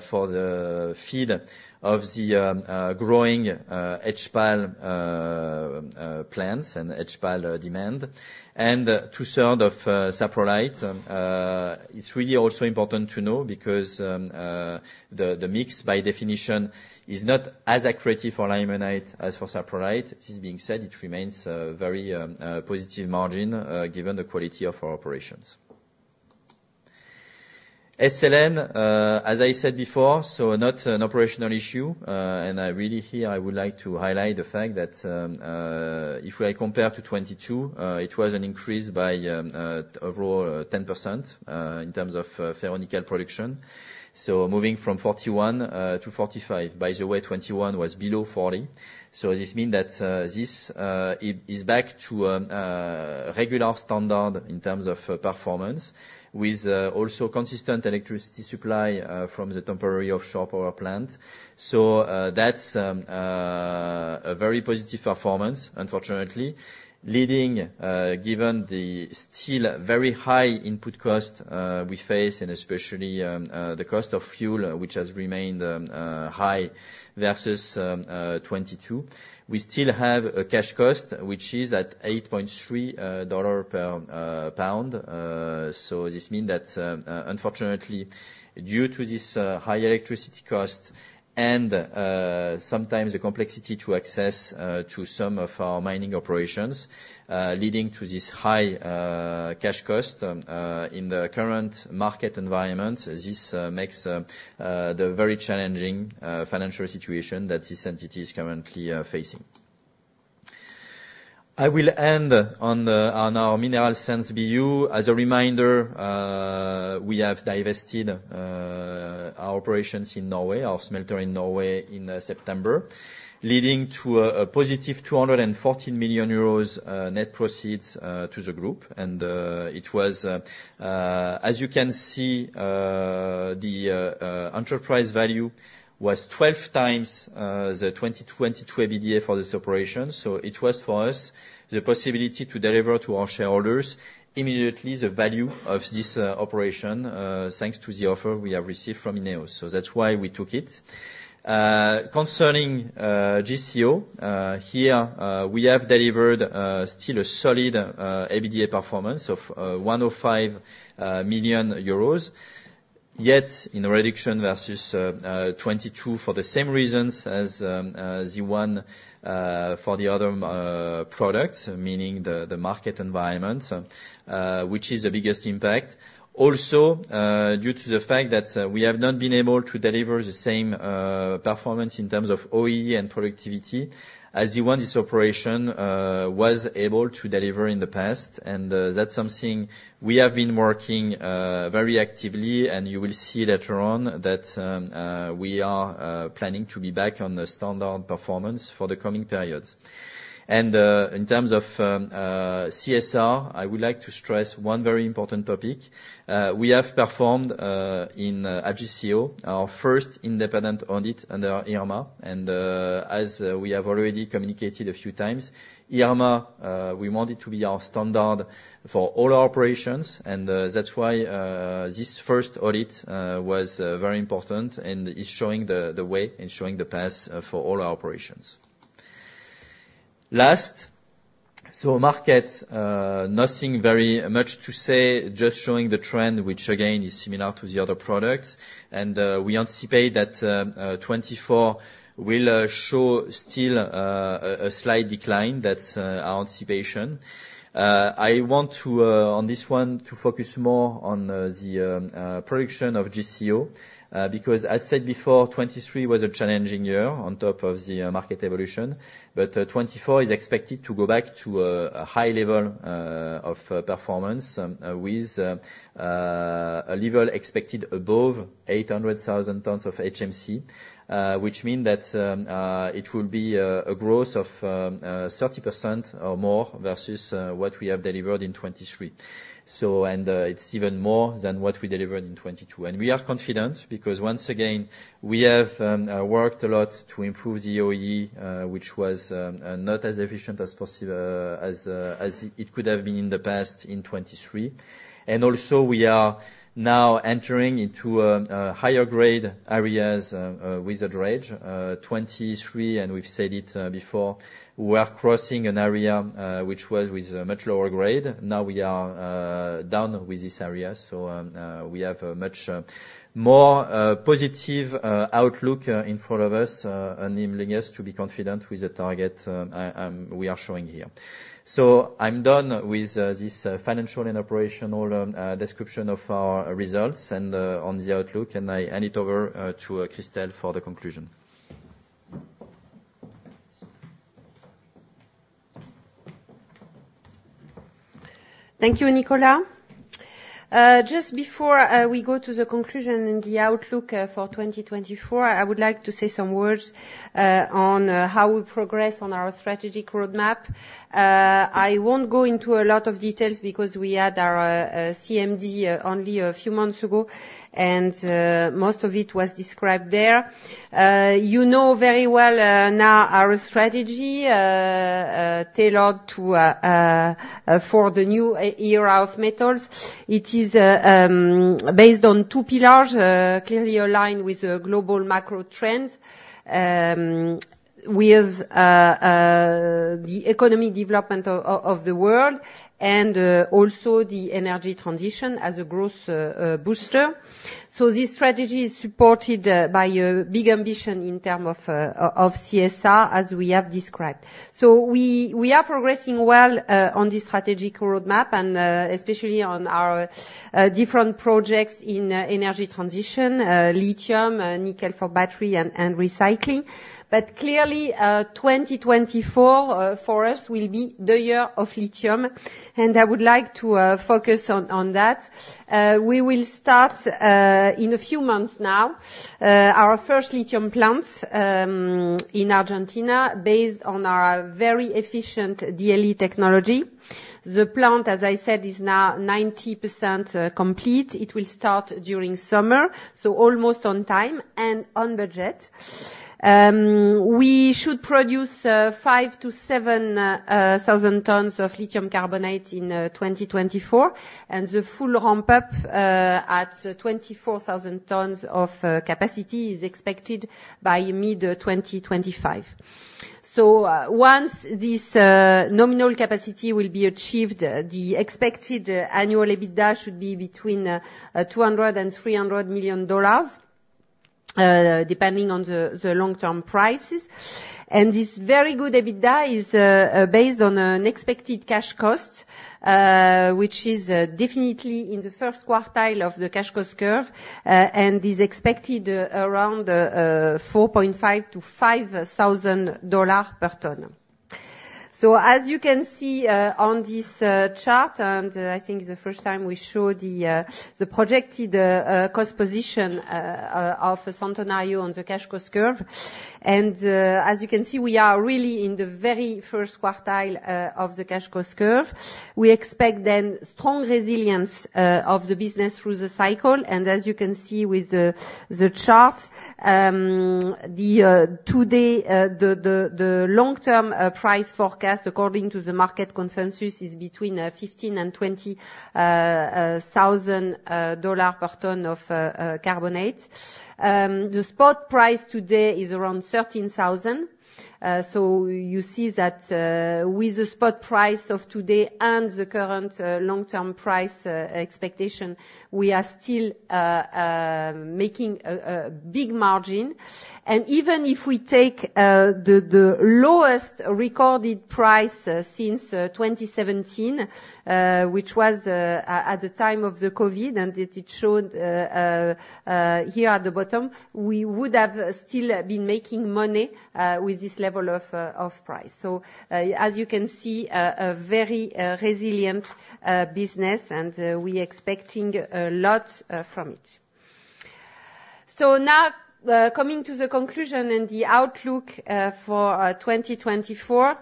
Speaker 2: for the feed of the growing HPAL plants and HPAL demand. And two-thirds of saprolite. It's really also important to know because the mix, by definition, is not as accurate for limonite as for saprolite. This being said, it remains very positive margin given the quality of our operations. SLN, as I said before, so not an operational issue. And I really here, I would like to highlight the fact that, if I compare to 2022, it was an increase by overall 10% in terms of ferronickel production, so moving from 41 to 45. By the way, 2021 was below 40. So this mean that this is back to regular standard in terms of performance, with also consistent electricity supply from the temporary offshore power plant. So, that's a very positive performance unfortunately, leading, given the still very high input cost we face, and especially the cost of fuel, which has remained high versus 2022. We still have a cash cost, which is at $8.3 per pound. So this mean that, unfortunately, due to this high electricity cost and sometimes the complexity to access to some of our mining operations, leading to this high cash cost, in the current market environment, this makes the very challenging financial situation that this entity is currently facing. I will end on our mineral sands view. As a reminder, we have divested our operations in Norway, our smelter in Norway in September, leading to a positive 214 million euros net proceeds to the group. It was, as you can see, the enterprise value was 12 times the 2022 EBITDA for this operation. So it was, for us, the possibility to deliver to our shareholders immediately the value of this operation, thanks to the offer we have received from INEOS. That's why we took it. Concerning GCO, here we have delivered still a solid EBITDA performance of 105 million euros, yet in a reduction versus 2022 for the same reasons as the one for the other products, meaning the market environment, which is the biggest impact. Also, due to the fact that we have not been able to deliver the same performance in terms of OEE and productivity as the one this operation was able to deliver in the past. And, that's something we have been working very actively, and you will see later on that we are planning to be back on the standard performance for the coming periods. And, in terms of CSR, I would like to stress one very important topic. We have performed in GCO our first independent audit under IRMA, and as we have already communicated a few times, IRMA, we want it to be our standard for all our operations. And that's why this first audit was very important and is showing the way and showing the path for all our operations. Last, the market, nothing very much to say, just showing the trend, which again is similar to the other products. And we anticipate that 2024 will show still a slight decline. That's our anticipation. I want to on this one to focus more on the production of GCO because as I said before, 2023 was a challenging year on top of the market evolution. But, 2024 is expected to go back to a high level of performance with a level expected above 800,000 tons of HMC. Which mean that it will be a growth of 30% or more versus what we have delivered in 2023. So. And, it's even more than what we delivered in 2022. And we are confident, because once again, we have worked a lot to improve the OEE, which was not as efficient as it could have been in the past in 2023. And also, we are now entering into higher grade areas with the dredge. 2023, and we've said it before, we are crossing an area which was with a much lower grade. Now we are down with this area, so we have a much more positive outlook in front of us, enabling us to be confident with the target we are showing here. So I'm done with this financial and operational description of our results and on the outlook, and I hand it over to Christel for the conclusion.
Speaker 1: Thank you, Nicolas. Just before we go to the conclusion and the outlook for 2024, I would like to say some words on how we progress on our strategic roadmap. I won't go into a lot of details because we had our CMD only a few months ago, and most of it was described there. You know very well now our strategy tailored for the new era of metals. It is based on two pillars clearly aligned with the global macro trends with the economic development of the world and also the energy transition as a growth booster. So this strategy is supported by a big ambition in terms of CSR, as we have described. So we are progressing well on this strategic roadmap and especially on our different projects in energy transition, lithium, nickel for battery and recycling. But clearly, 2024 for us will be the year of lithium, and I would like to focus on that. We will start in a few months now our first lithium plants in Argentina, based on our very efficient DLE technology. The plant, as I said, is now 90% complete. It will start during summer, so almost on time and on budget. We should produce 5,000-7,000 tons of lithium carbonate in 2024, and the full ramp-up at 24,000 tons of capacity is expected by mid-2025. So once this nominal capacity will be achieved, the expected annual EBITDA should be between $200 million and $300 million, depending on the long-term prices. And this very good EBITDA is based on an expected cash cost, which is definitely in the first quartile of the cash cost curve, and is expected around $4.5-$5 thousand per ton. So as you can see on this chart, and I think it's the first time we show the projected cost position of Centenario on the cash cost curve. And as you can see, we are really in the very first quartile of the cash cost curve. We expect then, strong resilience of the business through the cycle, and as you can see with the chart, the long-term price forecast, according to the market consensus, is between $15,000 and $20,000 per ton of carbonate. The spot price today is around $13,000. So you see that, with the spot price of today and the current long-term price expectation, we are still making a big margin. And even if we take the lowest recorded price since 2017, which was at the time of the COVID, and it showed here at the bottom, we would have still been making money with this level of price. So, as you can see, a very resilient business, and we're expecting a lot from it. So now, coming to the conclusion and the outlook for 2024.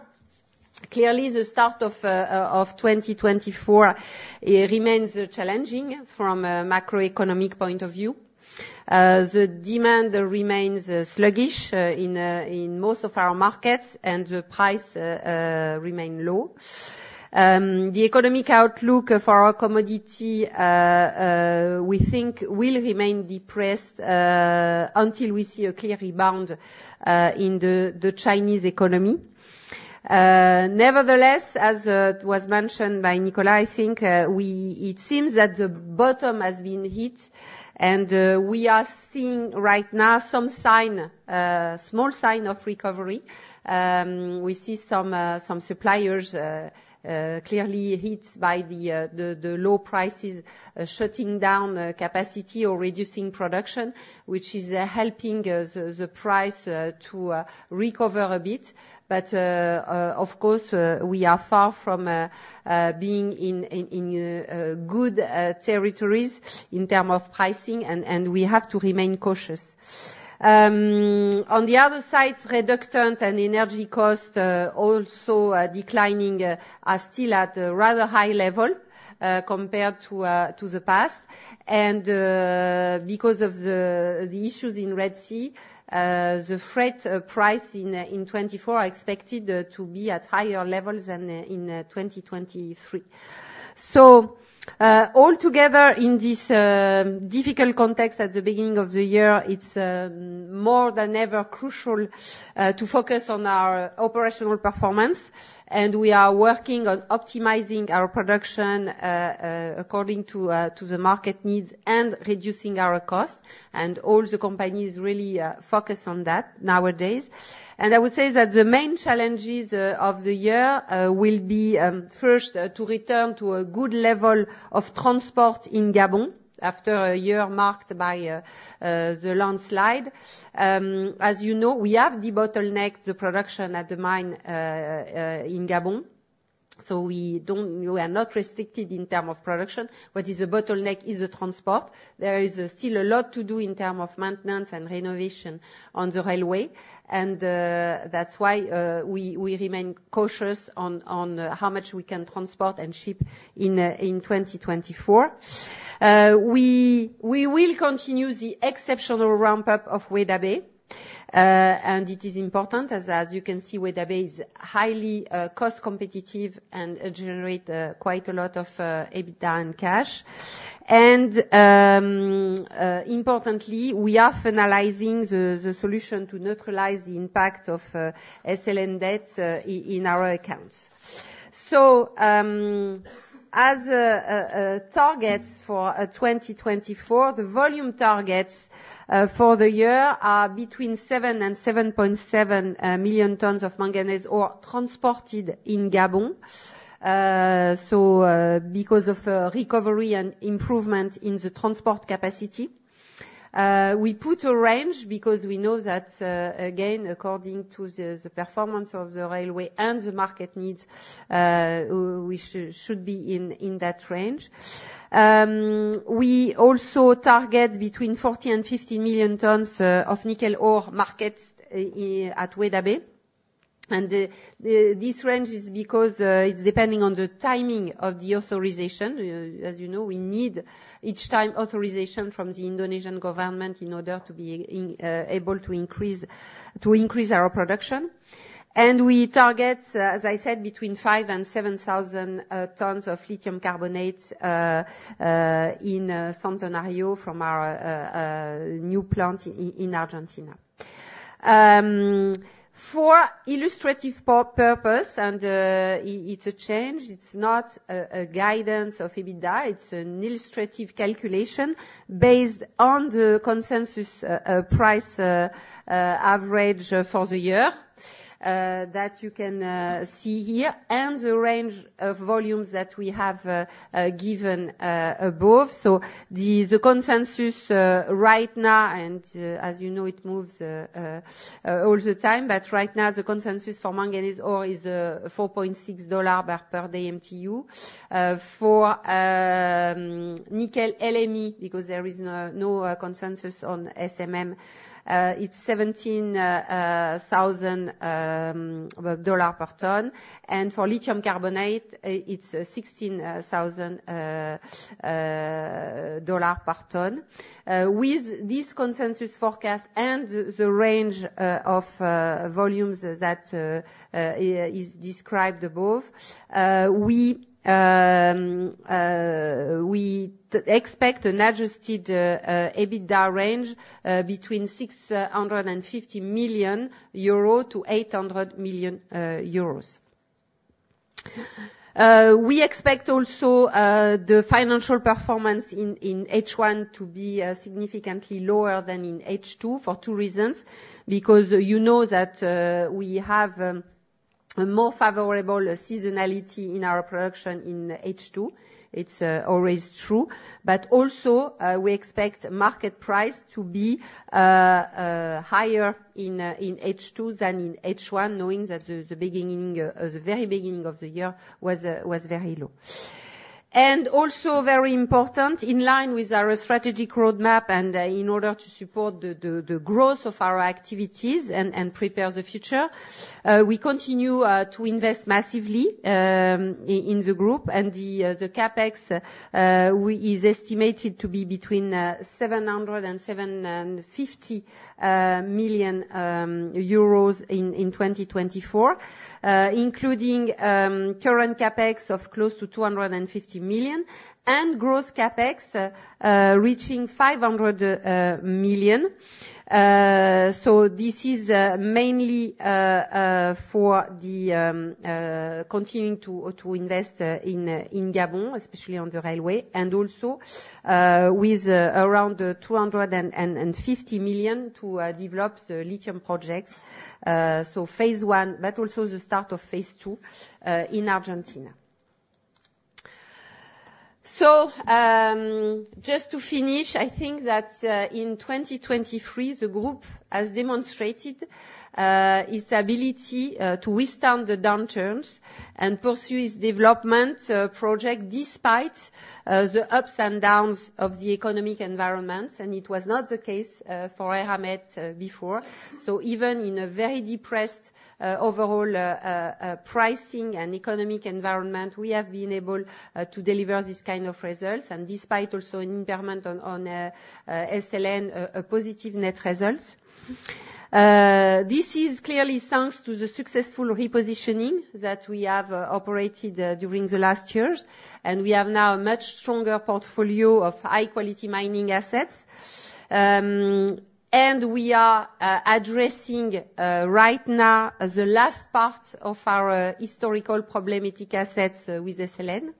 Speaker 1: Clearly, the start of 2024, it remains challenging from a macroeconomic point of view. The demand remains sluggish in most of our markets, and the price remain low. The economic outlook for our commodity, we think will remain depressed until we see a clear rebound in the Chinese economy. Nevertheless, as it was mentioned by Nicolas, I think it seems that the bottom has been hit, and we are seeing right now some sign, small sign of recovery. We see some suppliers clearly hit by the low prices, shutting down capacity or reducing production, which is helping the price to recover a bit. But of course, we are far from being in good territories in term of pricing, and we have to remain cautious. On the other side, reductant and energy costs, also declining, are still at a rather high level compared to the past. And because of the issues in Red Sea, the freight price in 2024 are expected to be at higher levels than in 2023.... So, all together in this difficult context at the beginning of the year, it's more than ever crucial to focus on our operational performance, and we are working on optimizing our production according to the market needs and reducing our costs. All the company is really focused on that nowadays. I would say that the main challenges of the year will be first to return to a good level of transport in Gabon, after a year marked by the landslide. As you know, we have debottlenecked the production at the mine in Gabon, so we are not restricted in terms of production. What is a bottleneck is the transport. There is still a lot to do in terms of maintenance and renovation on the railway, and that's why we remain cautious on how much we can transport and ship in 2024. We will continue the exceptional ramp-up of Weda Bay. And it is important, as you can see, Weda Bay is highly cost competitive and generate quite a lot of EBITDA and cash. And importantly, we are finalizing the solution to neutralize the impact of SLN debt in our accounts. So, targets for 2024, the volume targets for the year are between 7 and 7.7 million tons of manganese ore transported in Gabon. Because of recovery and improvement in the transport capacity, we put a range because we know that, again, according to the performance of the railway and the market needs, we should be in that range. We also target between 40 and 50 million tons of nickel ore marketed at Weda Bay. This range is because it's depending on the timing of the authorization. As you know, we need, each time, authorization from the Indonesian government in order to be able to increase our production. We target, as I said, between 5,000 and 7,000 tons of lithium carbonate in Centenario from our new plant in Argentina. For illustrative purpose, and it's a change, it's not a guidance of EBITDA. It's an illustrative calculation based on the consensus price average for the year that you can see here, and the range of volumes that we have given above. So the consensus right now, and as you know, it moves all the time, but right now, the consensus for manganese ore is $4.6 per DMTU. For nickel LME, because there is no consensus on SMM, it's $17,000 per ton. And for lithium carbonate, it's $16,000 per ton. With this consensus forecast and the range of volumes that is described above, we expect an Adjusted EBITDA range between 650 million-800 million euro. We expect also the financial performance in H1 to be significantly lower than in H2 for two reasons. Because you know that we have a more favorable seasonality in our production in H2. It's always true. But also we expect market price to be higher in H2 than in H1, knowing that the beginning, the very beginning of the year was very low. And also very important, in line with our strategic roadmap and in order to support the growth of our activities and prepare the future, we continue to invest massively in the group. And the CapEx is estimated to be between 700 million-750 million euros in 2024, including current CapEx of close to 250 million and gross CapEx reaching 500 million. So this is mainly for continuing to invest in Gabon, especially on the railway, and also with around 250 million to develop the lithium projects. So phase one, but also the start of phase two in Argentina. So, just to finish, I think that in 2023, the group has demonstrated its ability to withstand the downturns and pursue its development project despite the ups and downs of the economic environment, and it was not the case for Eramet before. So even in a very depressed overall pricing and economic environment, we have been able to deliver this kind of results. And despite also an impairment on SLN, a positive net results. This is clearly thanks to the successful repositioning that we have operated during the last years, and we have now a much stronger portfolio of high-quality mining assets. And we are addressing right now the last part of our historical problematic assets with SLN.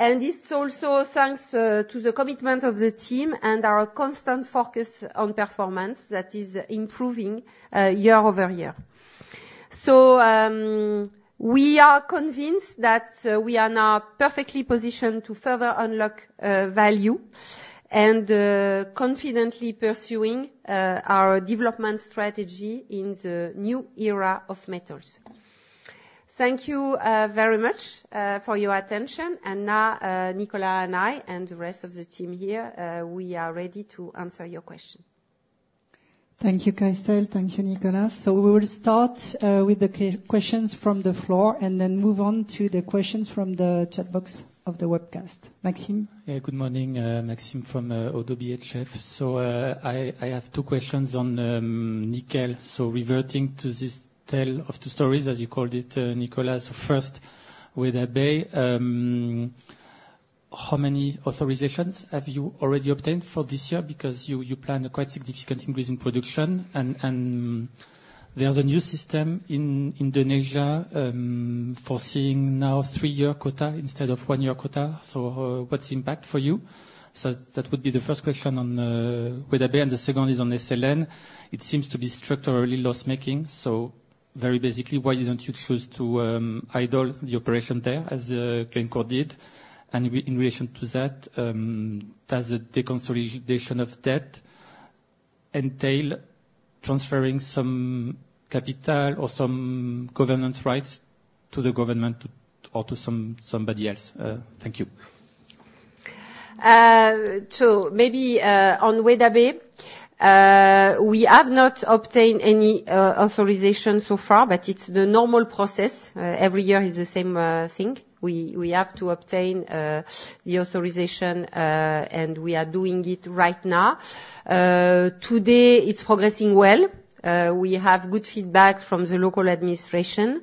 Speaker 1: And this is also thanks to the commitment of the team and our constant focus on performance that is improving year-over-year. So, we are convinced that we are now perfectly positioned to further unlock value and confidently pursuing our development strategy in the new era of metals. Thank you very much for your attention. And now, Nicolas and I, and the rest of the team here, we are ready to answer your questions.
Speaker 3: Thank you, Christel. Thank you, Nicolas. We will start with the questions from the floor, and then move on to the questions from the chat box of the webcast. Maxime?
Speaker 4: Hey, good morning. Maxime, from ODDO BHF. So, I have two questions on nickel. So reverting to this tale of two stories, as you called it, Nicolas. First, with Weda Bay, how many authorizations have you already obtained for this year? Because you planned a quite significant increase in production, and there's a new system in Indonesia, foreseeing now three-year quota instead of one-year quota. So what's impact for you? So that would be the first question on Weda Bay, and the second is on SLN. It seems to be structurally loss-making, so very basically, why didn't you choose to idle the operation there as Glencore did? And in relation to that, does the consolidation of debt entail transferring some capital or some governance rights to the government or to somebody else? Thank you.
Speaker 1: So maybe on Weda Bay we have not obtained any authorization so far, but it's the normal process. Every year is the same thing. We have to obtain the authorization and we are doing it right now. Today, it's progressing well. We have good feedback from the local administration.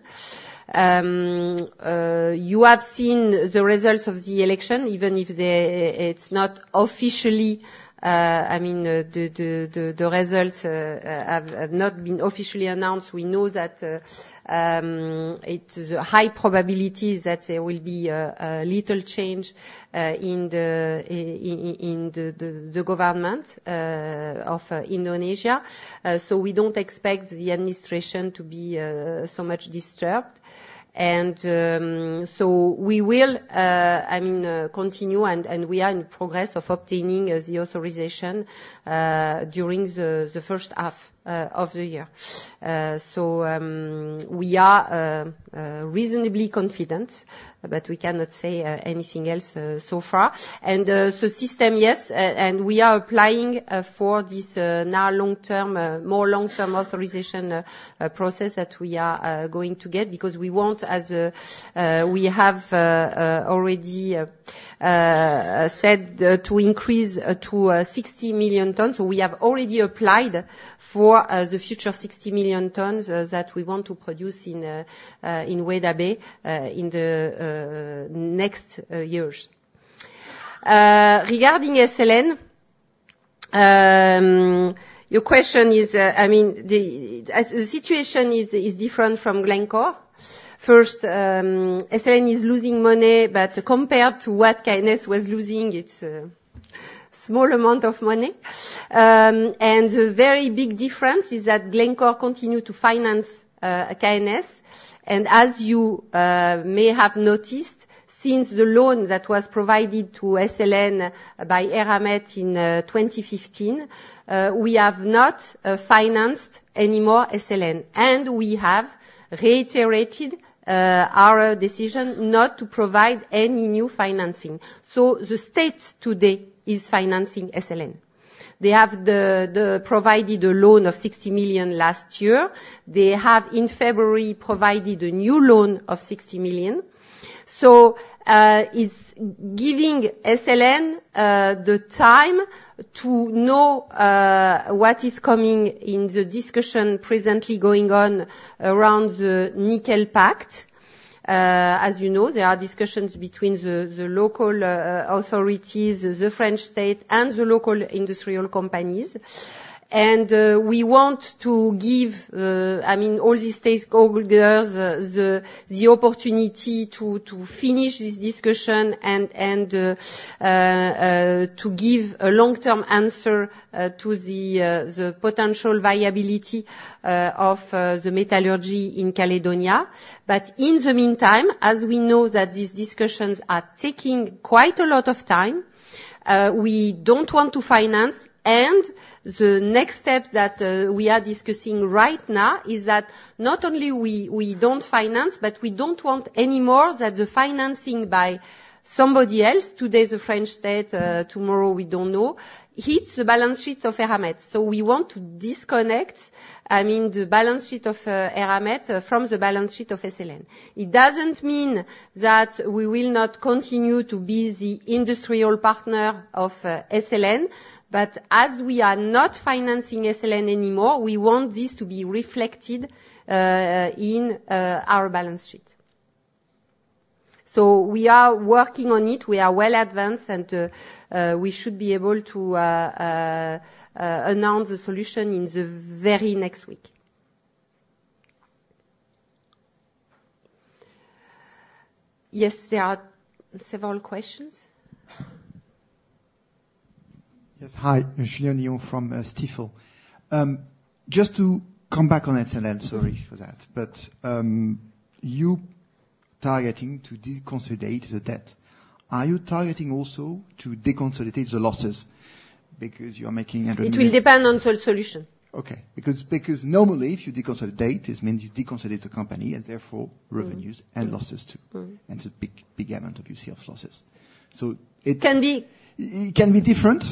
Speaker 1: You have seen the results of the election, even if they- it's not officially, I mean, the results have not been officially announced. We know that, it, the high probability is that there will be a little change in the government of Indonesia. So we don't expect the administration to be so much disturbed. And so we will, I mean, continue, and we are in progress of obtaining the authorization during the first half of the year. So we are reasonably confident, but we cannot say anything else so far. And so system, yes, and we are applying for this now long-term more long-term authorization process that we are going to get, because we want, as we have already said, to increase to 60 million tons. So we have already applied for the future 60 million tons that we want to produce in Weda Bay in the next years. Regarding SLN, your question is, I mean, the situation is different from Glencore. First, SLN is losing money, but compared to what KNS was losing, it's a small amount of money. And the very big difference is that Glencore continued to finance KNS. And as you may have noticed, since the loan that was provided to SLN by Eramet in 2015, we have not financed anymore SLN, and we have reiterated our decision not to provide any new financing. So the state today is financing SLN. They have provided a loan of 60 million last year. They have, in February, provided a new loan of 60 million. So it's giving SLN the time to know what is coming in the discussion presently going on around the nickel pact. As you know, there are discussions between the local authorities, the French state, and the local industrial companies. We want to give, I mean, all the stakeholders the opportunity to finish this discussion and to give a long-term answer to the potential viability of the metallurgy in Caledonia. But in the meantime, as we know that these discussions are taking quite a lot of time, we don't want to finance. And the next step that we are discussing right now is that not only we don't finance, but we don't want anymore that the financing by somebody else, today, the French state, tomorrow, we don't know, hits the balance sheets of Eramet. So we want to disconnect, I mean, the balance sheet of Eramet from the balance sheet of SLN. It doesn't mean that we will not continue to be the industrial partner of SLN, but as we are not financing SLN anymore, we want this to be reflected in our balance sheet. So we are working on it. We are well advanced, and we should be able to announce a solution in the very next week.
Speaker 3: Yes, there are several questions?
Speaker 5: Yes, hi. Julian Leon from Stifel. Just to come back on SLN, sorry for that, but you targeting to deconsolidate the debt. Are you targeting also to deconsolidate the losses? Because you are making-
Speaker 1: It will depend on the solution.
Speaker 5: Okay. Because normally, if you deconsolidate, this means you deconsolidate the company, and therefore, revenues and losses, too.
Speaker 1: Mm-hmm.
Speaker 5: It's a big, big amount, obviously, of losses. So it-
Speaker 1: Can be-
Speaker 5: It can be different?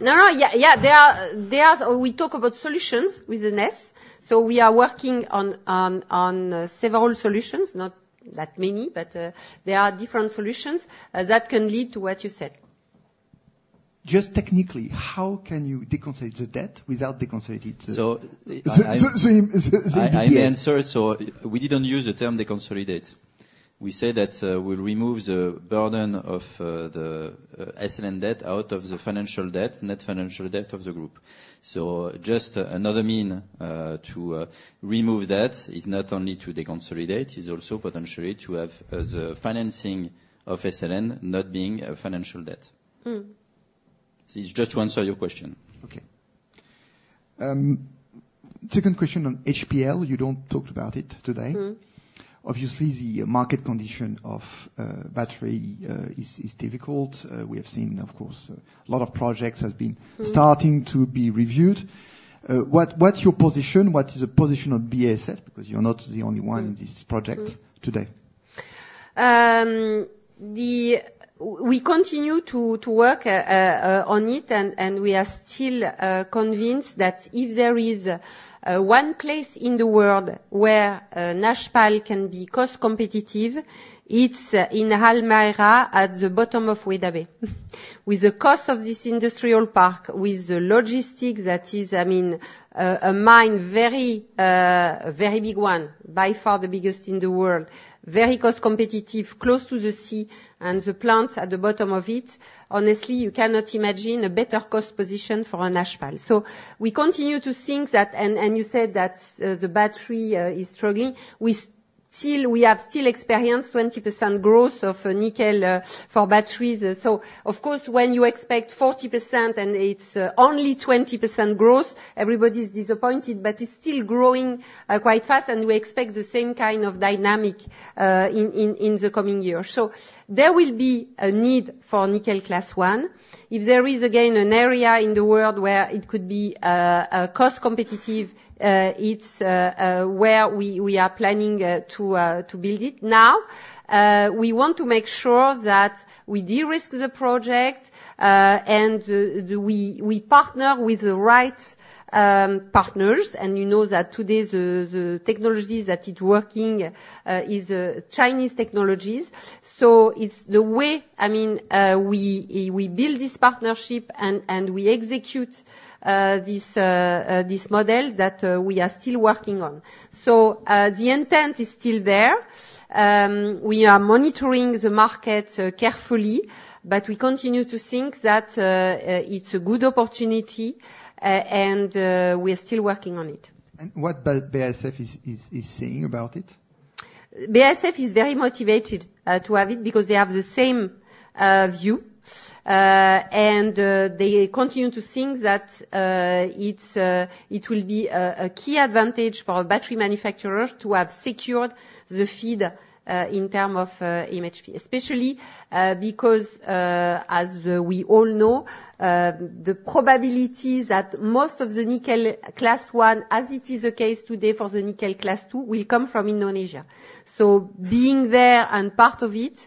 Speaker 1: No, no, yeah, yeah. We talk about solutions with an S, so we are working on several solutions, not that many, but there are different solutions that can lead to what you said.
Speaker 5: Just technically, how can you deconsolidate the debt without deconsolidating the-
Speaker 2: So, I-
Speaker 5: The, the, the, the-
Speaker 2: I answer, so we didn't use the term deconsolidate. We said that, we'll remove the burden of, the, SLN debt out of the financial debt, net financial debt of the group. So just another mean, to, remove that is not only to deconsolidate, is also potentially to have, the financing of SLN not being a financial debt.
Speaker 1: Mm.
Speaker 2: It's just to answer your question.
Speaker 5: Okay. Second question on HPAL. You don't talk about it today.
Speaker 1: Mm-hmm.
Speaker 5: Obviously, the market condition of battery is difficult. We have seen, of course, a lot of projects has been-
Speaker 1: Mm...
Speaker 5: starting to be reviewed. What's your position? What is the position of BASF? Because you're not the only one in this project today.
Speaker 1: We continue to work on it, and we are still convinced that if there is one place in the world where HPAL can be cost competitive, it's in Halmahera, at the bottom of Weda Bay. With the cost of this industrial park, with the logistics, that is, I mean, a mine, very, very big one, by far the biggest in the world, very cost competitive, close to the sea and the plants at the bottom of it, honestly, you cannot imagine a better cost position for a HPAL. So we continue to think that... And you said that the battery is struggling. We still, we have still experienced 20% growth of nickel for batteries. So of course, when you expect 40% and it's only 20% growth, everybody's disappointed. But it's still growing quite fast, and we expect the same kind of dynamic in the coming years. So there will be a need for Nickel Class One. If there is, again, an area in the world where it could be cost competitive, it's where we are planning to build it now. We want to make sure that we de-risk the project and we partner with the right partners, and we know that today, the technologies that are working is Chinese technologies. So it's the way, I mean, we build this partnership and we execute this model that we are still working on. So the intent is still there. We are monitoring the market carefully, but we continue to think that it's a good opportunity, and we're still working on it.
Speaker 5: What BASF is saying about it?
Speaker 1: BASF is very motivated to have it, because they have the same view. And they continue to think that it's a, it will be a key advantage for battery manufacturers to have secured the feed in terms of MHP. Especially because as we all know the probabilities that most of the Nickel Class One, as it is the case today for the Nickel Class Two, will come from Indonesia. So being there and part of it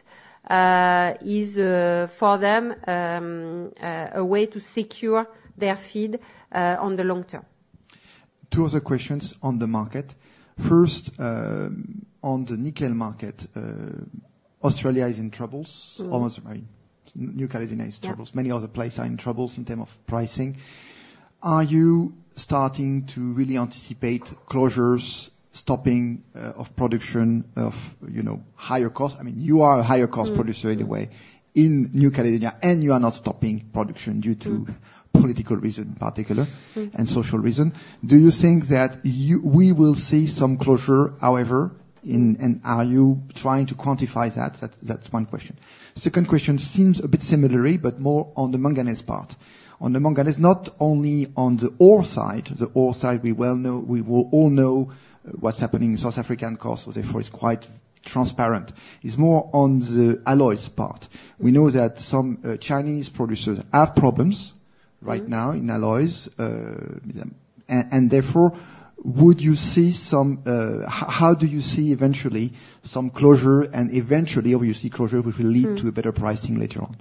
Speaker 1: is for them a way to secure their feed on the long term.
Speaker 5: Two other questions on the market. First, on the nickel market, Australia is in troubles-
Speaker 1: Mm.
Speaker 5: Almost, I mean, New Caledonia is in troubles.
Speaker 1: Yeah.
Speaker 5: Many other places are in trouble in terms of pricing. Are you starting to really anticipate closures, stopping of production of, you know, higher cost? I mean, you are a higher cost-
Speaker 1: Mm...
Speaker 5: producer anyway in New Caledonia, and you are not stopping production due to-
Speaker 1: Mm...
Speaker 5: political reason particular-
Speaker 1: Mm...
Speaker 5: and social reason. Do you think that you—we will see some closure, however, in...? Are you trying to quantify that? That's one question. Second question seems a bit similar, but more on the manganese part. On the manganese, not only on the ore side, the ore side, we well know, we will all know what's happening in South African costs, therefore it's quite transparent. It's more on the alloys part. We know that some Chinese producers have problems-
Speaker 1: Mm...
Speaker 5: right now in alloys. And, and therefore, would you see some, how do you see eventually some closure and eventually, obviously, closure which will lead-
Speaker 1: Mm...
Speaker 5: to a better pricing later on?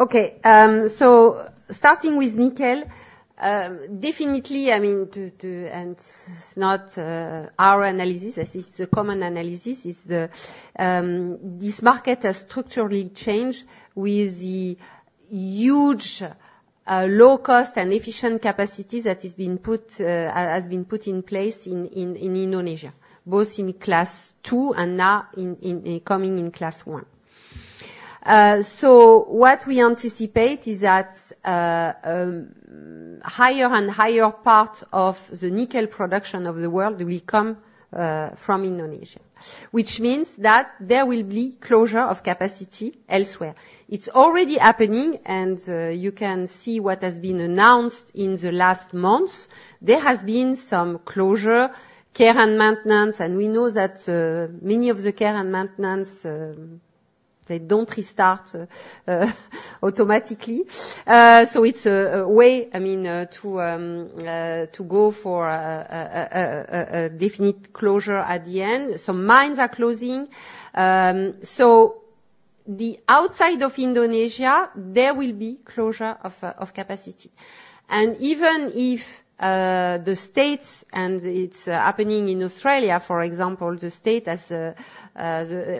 Speaker 1: Okay, so starting with nickel, definitely, I mean, and it's not our analysis, this is a common analysis, is the this market has structurally changed with the huge low cost and efficient capacity that has been put in place in Indonesia, both in class two and now coming in class one. So what we anticipate is that, higher and higher part of the nickel production of the world will come from Indonesia, which means that there will be closure of capacity elsewhere. It's already happening, and you can see what has been announced in the last months. There has been some closure, care and maintenance, and we know that many of the care and maintenance they don't restart automatically. So it's a way, I mean, to go for a definite closure at the end. Some mines are closing. So outside of Indonesia, there will be closure of capacity. And even if the states and it's happening in Australia, for example, the state as an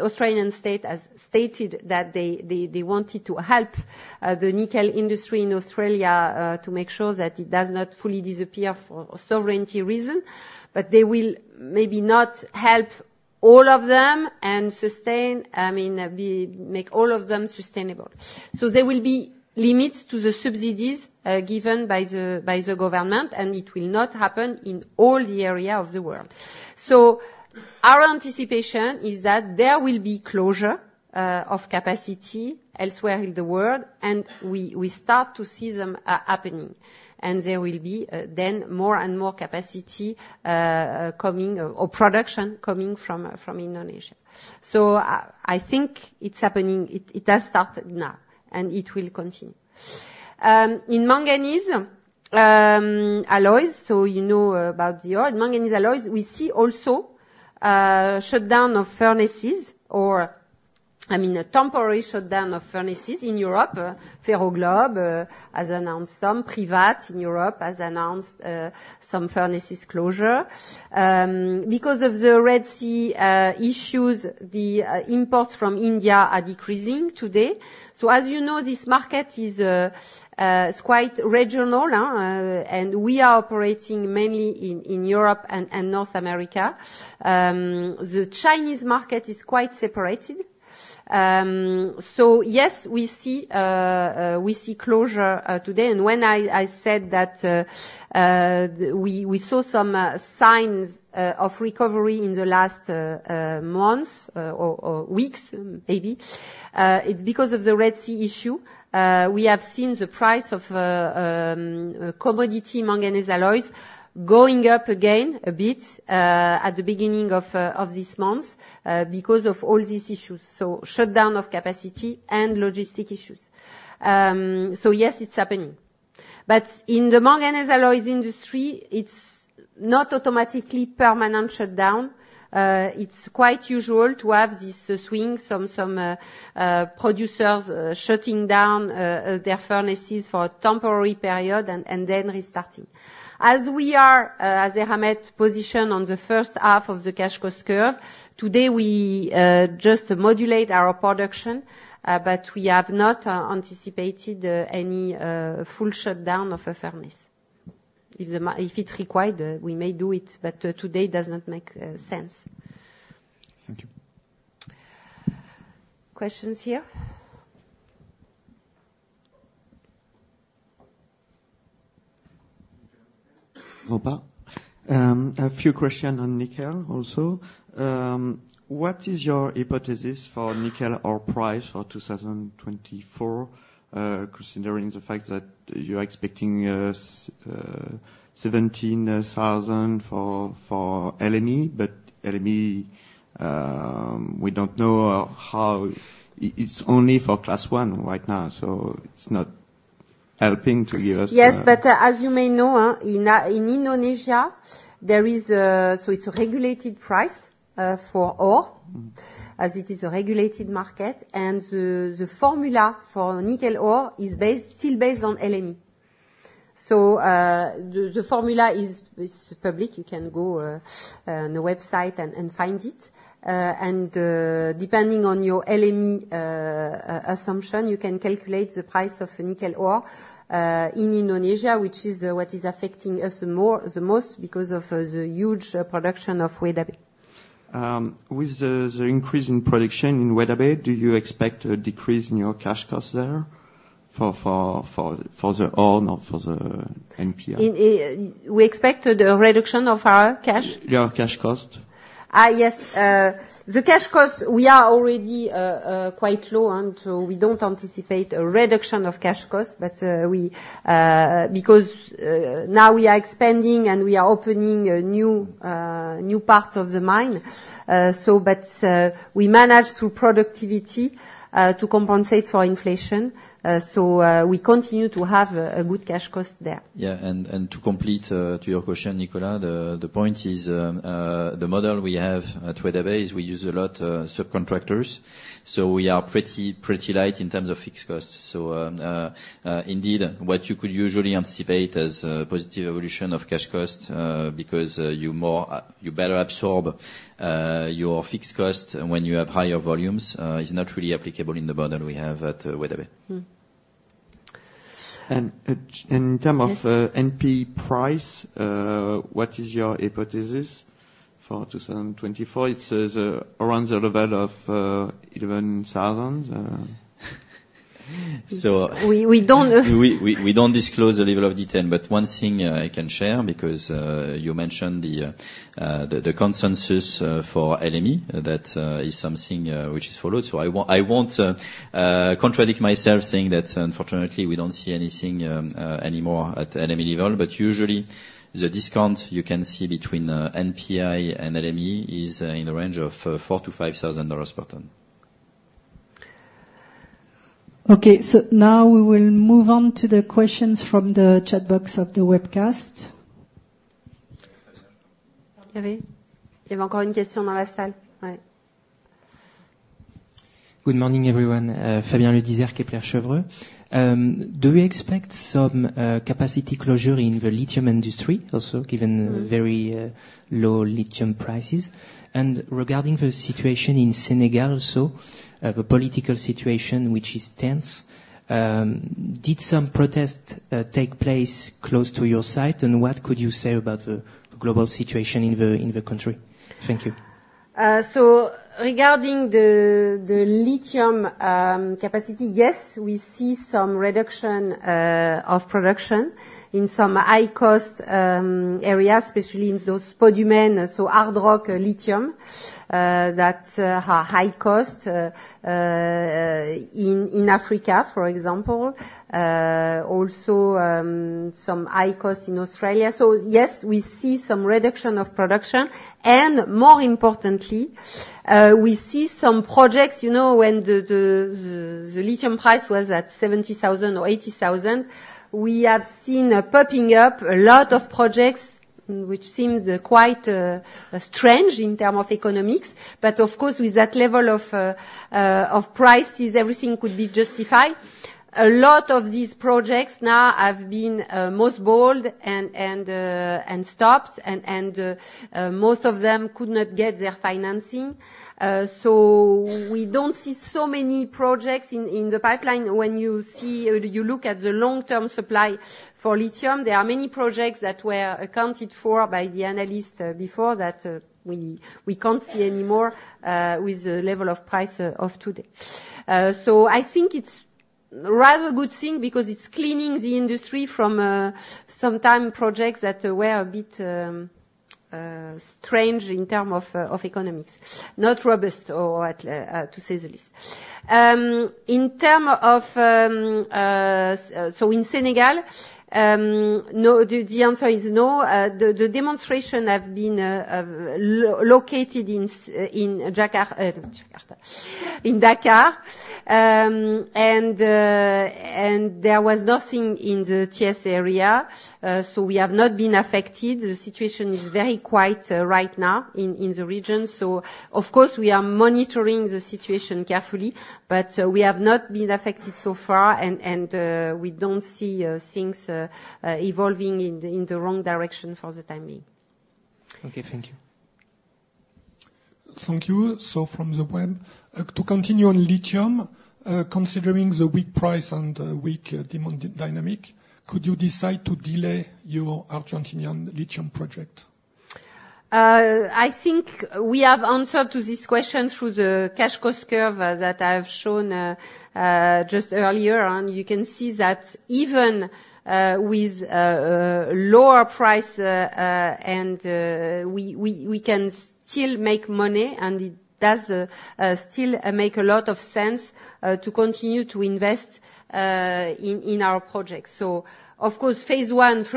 Speaker 1: Australian state has stated that they wanted to help the nickel industry in Australia to make sure that it does not fully disappear for sovereignty reason. But they will maybe not help all of them and sustain, I mean, we make all of them sustainable. So there will be limits to the subsidies given by the government, and it will not happen in all the area of the world. So our anticipation is that there will be closure of capacity elsewhere in the world, and we start to see them happening. There will be then more and more capacity coming, or production coming from Indonesia. So I think it's happening. It has started now, and it will continue. In manganese alloys, so you know about the ore. Manganese alloys, we see also shutdown of furnaces, I mean, a temporary shutdown of furnaces in Europe. Ferroglobe has announced some. Privat in Europe has announced some furnaces closure. Because of the Red Sea issues, the imports from India are decreasing today. So as you know, this market is quite regional, and we are operating mainly in Europe and North America. The Chinese market is quite separated. So yes, we see closure today. And when I said that, we saw some signs of recovery in the last months or weeks, maybe, it's because of the Red Sea issue. We have seen the price of commodity manganese alloys going up again a bit at the beginning of this month because of all these issues, so shutdown of capacity and logistic issues. So yes, it's happening. But in the manganese alloys industry, it's not automatically permanent shutdown. It's quite usual to have this swing, some producers shutting down their furnaces for a temporary period and then restarting. As we are, as Eramet positioned on the first half of the Cash Cost Curve, today, we just modulate our production, but we have not anticipated any full shutdown of a furnace. If it's required, we may do it, but today does not make sense.
Speaker 5: Thank you.
Speaker 1: Questions here? ...
Speaker 6: a few questions on nickel also. What is your hypothesis for nickel ore price for 2024, considering the fact that you're expecting $17,000 for LME? But LME, we don't know how... it's only for class one right now, so it's not helping to give us-
Speaker 1: Yes, but as you may know, in Indonesia, there is a, so it's a regulated price for ore-
Speaker 6: Mm.
Speaker 1: - as it is a regulated market. And the formula for nickel ore is based, still based on LME. So, the formula is public. You can go on the website and find it. And depending on your LME assumption, you can calculate the price of a nickel ore in Indonesia, which is what is affecting us more, the most, because of the huge production of Weda Bay.
Speaker 6: With the increase in production in Weda Bay, do you expect a decrease in your cash costs there for the ore or for the MHP?
Speaker 1: We expect the reduction of our cash?
Speaker 6: Your cash cost.
Speaker 1: Ah, yes. The cash cost, we are already quite low, and so we don't anticipate a reduction of cash cost. But because now we are expanding, and we are opening new parts of the mine, so but we manage through productivity to compensate for inflation. So we continue to have a good cash cost there.
Speaker 2: Yeah, and to complete your question, Nicolas, the point is, the model we have at Weda Bay is we use a lot subcontractors, so we are pretty light in terms of fixed costs. So, indeed, what you could usually anticipate as a positive evolution of cash costs, because you more you better absorb your fixed cost when you have higher volumes, is not really applicable in the model we have at Weda Bay.
Speaker 1: Mm....
Speaker 6: And, in terms of NPI price, what is your hypothesis for 2024? It's around the level of $11,000,
Speaker 2: So-
Speaker 1: We don't -
Speaker 2: We don't disclose the level of detail. But one thing I can share, because you mentioned the consensus for LME, that is something which is followed. So I won't contradict myself saying that unfortunately we don't see anything anymore at LME level, but usually the discount you can see between NPI and LME is in the range of $4,000-$5,000 per ton.
Speaker 3: Okay. Now we will move on to the questions from the chat box of the webcast.
Speaker 7: Good morning, everyone. Fabien Le Disert, Kepler Cheuvreux. Do you expect some capacity closure in the lithium industry also, given the very low lithium prices? And regarding the situation in Senegal also, the political situation, which is tense, did some protests take place close to your site? And what could you say about the global situation in the country? Thank you.
Speaker 1: So regarding the lithium capacity, yes, we see some reduction of production in some high-cost areas, especially in those spodumene, so hard rock lithium that are high cost. In Africa, for example, also some high cost in Australia. So yes, we see some reduction of production, and more importantly, we see some projects, you know, when the lithium price was at $70,000 or $80,000, we have seen popping up a lot of projects which seems quite strange in term of economics. But of course, with that level of prices, everything could be justified. A lot of these projects now have been mothballed and stopped, and most of them could not get their financing. So we don't see so many projects in the pipeline. When you see, you look at the long-term supply for lithium, there are many projects that were accounted for by the analyst before that, we can't see anymore with the level of price of today. So I think it's rather good thing, because it's cleaning the industry from sometime projects that were a bit strange in term of economics, not robust, or at to say the least. So in Senegal, no, the answer is no. The demonstration have been located in Jakarta, in Dakar. And there was nothing in the Thies area, so we have not been affected. The situation is very quiet right now in the region, so of course, we are monitoring the situation carefully, but we have not been affected so far, and we don't see things evolving in the wrong direction for the time being.
Speaker 7: Okay. Thank you.
Speaker 3: Thank you. So from the web, to continue on lithium, considering the weak price and the weak demand dynamic, could you decide to delay your Argentinian lithium project?
Speaker 1: I think we have answered to this question through the cash cost curve that I've shown just earlier, and you can see that even with lower price and we can still make money, and it does still make a lot of sense to continue to invest in our projects. So of course, phase one is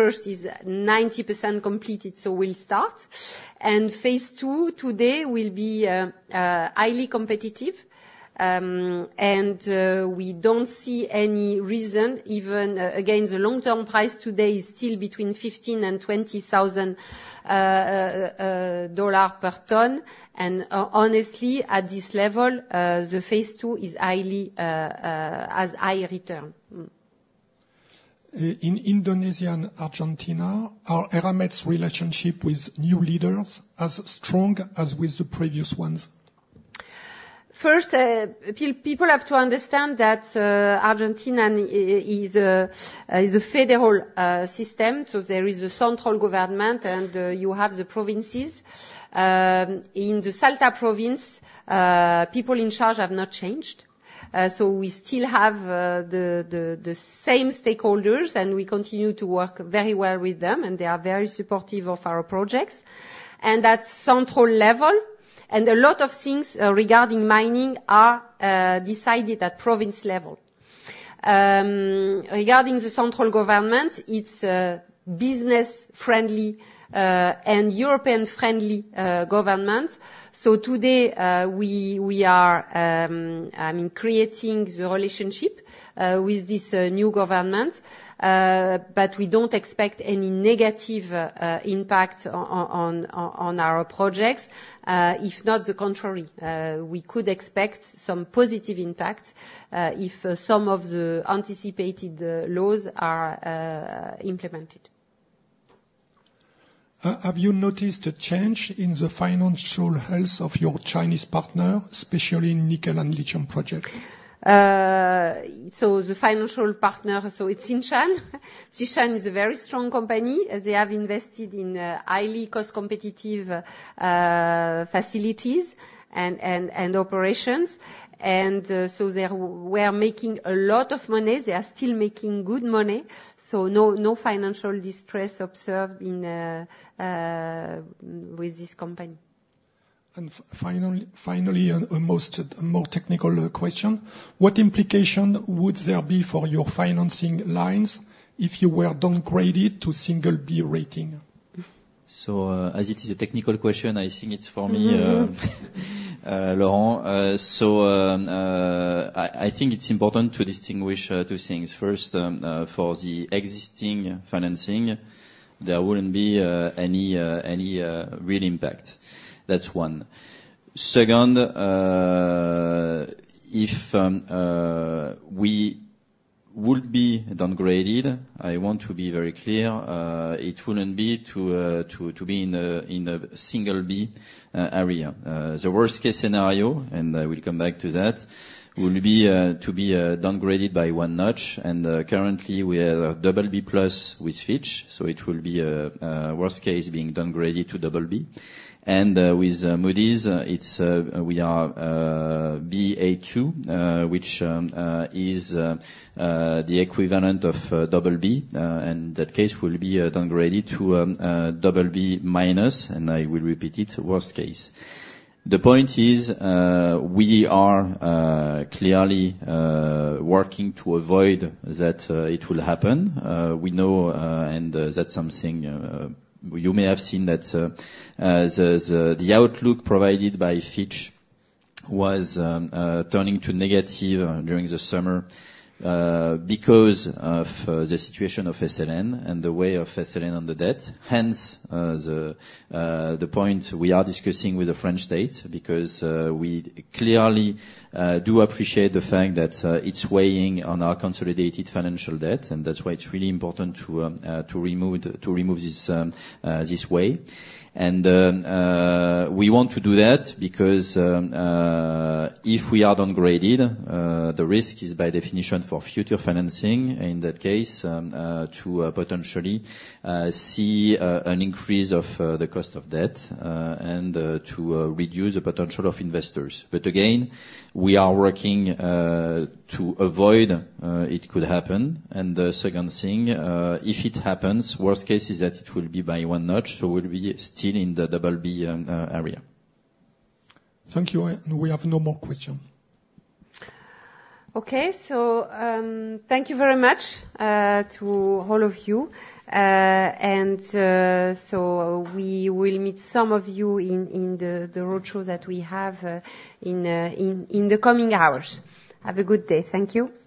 Speaker 1: 90% completed, so we'll start. And phase two today will be highly competitive, and we don't see any reason, even again, the long-term price today is still between $15,000-$20,000 per ton. And honestly, at this level, the phase two is highly has high return.
Speaker 3: In Indonesia and Argentina, are Eramet's relationship with new leaders as strong as with the previous ones?
Speaker 1: First, people have to understand that Argentina is a federal system, so there is a central government, and you have the provinces. In the Salta province, people in charge have not changed, so we still have the same stakeholders, and we continue to work very well with them, and they are very supportive of our projects. And at central level, and a lot of things regarding mining are decided at province level. Regarding the central government, it's a business-friendly and European-friendly government. So today, we are creating the relationship with this new government. But we don't expect any negative impact on our projects, if not the contrary. We could expect some positive impact if some of the anticipated laws are implemented....
Speaker 3: have you noticed a change in the financial health of your Chinese partner, especially in nickel and lithium project?
Speaker 1: So the financial partner, so it's Tsingshan. Tsingshan is a very strong company, as they have invested in highly cost competitive facilities and operations. So they were making a lot of money. They are still making good money, so no, no financial distress observed with this company.
Speaker 3: Finally, a more technical question: What implication would there be for your financing lines if you were downgraded to single B rating?
Speaker 2: So, as it is a technical question, I think it's for me, Laurent. So, I think it's important to distinguish two things. First, for the existing financing, there wouldn't be any real impact. That's one. Second, if we would be downgraded, I want to be very clear, it wouldn't be to be in a single B area. The worst case scenario, and I will come back to that, would be to be downgraded by one notch, and currently, we are double B plus with Fitch, so it will be a worst case being downgraded to double B. And with Moody's, it's we are Ba2, which is the equivalent of double B. And that case will be downgraded to BB-, and I will repeat it, worst case. The point is, we are clearly working to avoid that it will happen. We know, and that's something you may have seen that the outlook provided by Fitch was turning to negative during the summer, because of the situation of SLN and the weight of SLN on the debt. Hence, the point we are discussing with the French state because we clearly do appreciate the fact that it's weighing on our consolidated financial debt, and that's why it's really important to remove, to remove this weight. We want to do that because if we are downgraded, the risk is by definition for future financing. In that case, to potentially see an increase of the cost of debt, and to reduce the potential of investors. But again, we are working to avoid it could happen. The second thing, if it happens, worst case is that it will be by one notch, so we'll be still in the double B area.
Speaker 3: Thank you, and we have no more question.
Speaker 1: Okay. So, thank you very much to all of you. So we will meet some of you in the roadshow that we have in the coming hours. Have a good day. Thank you.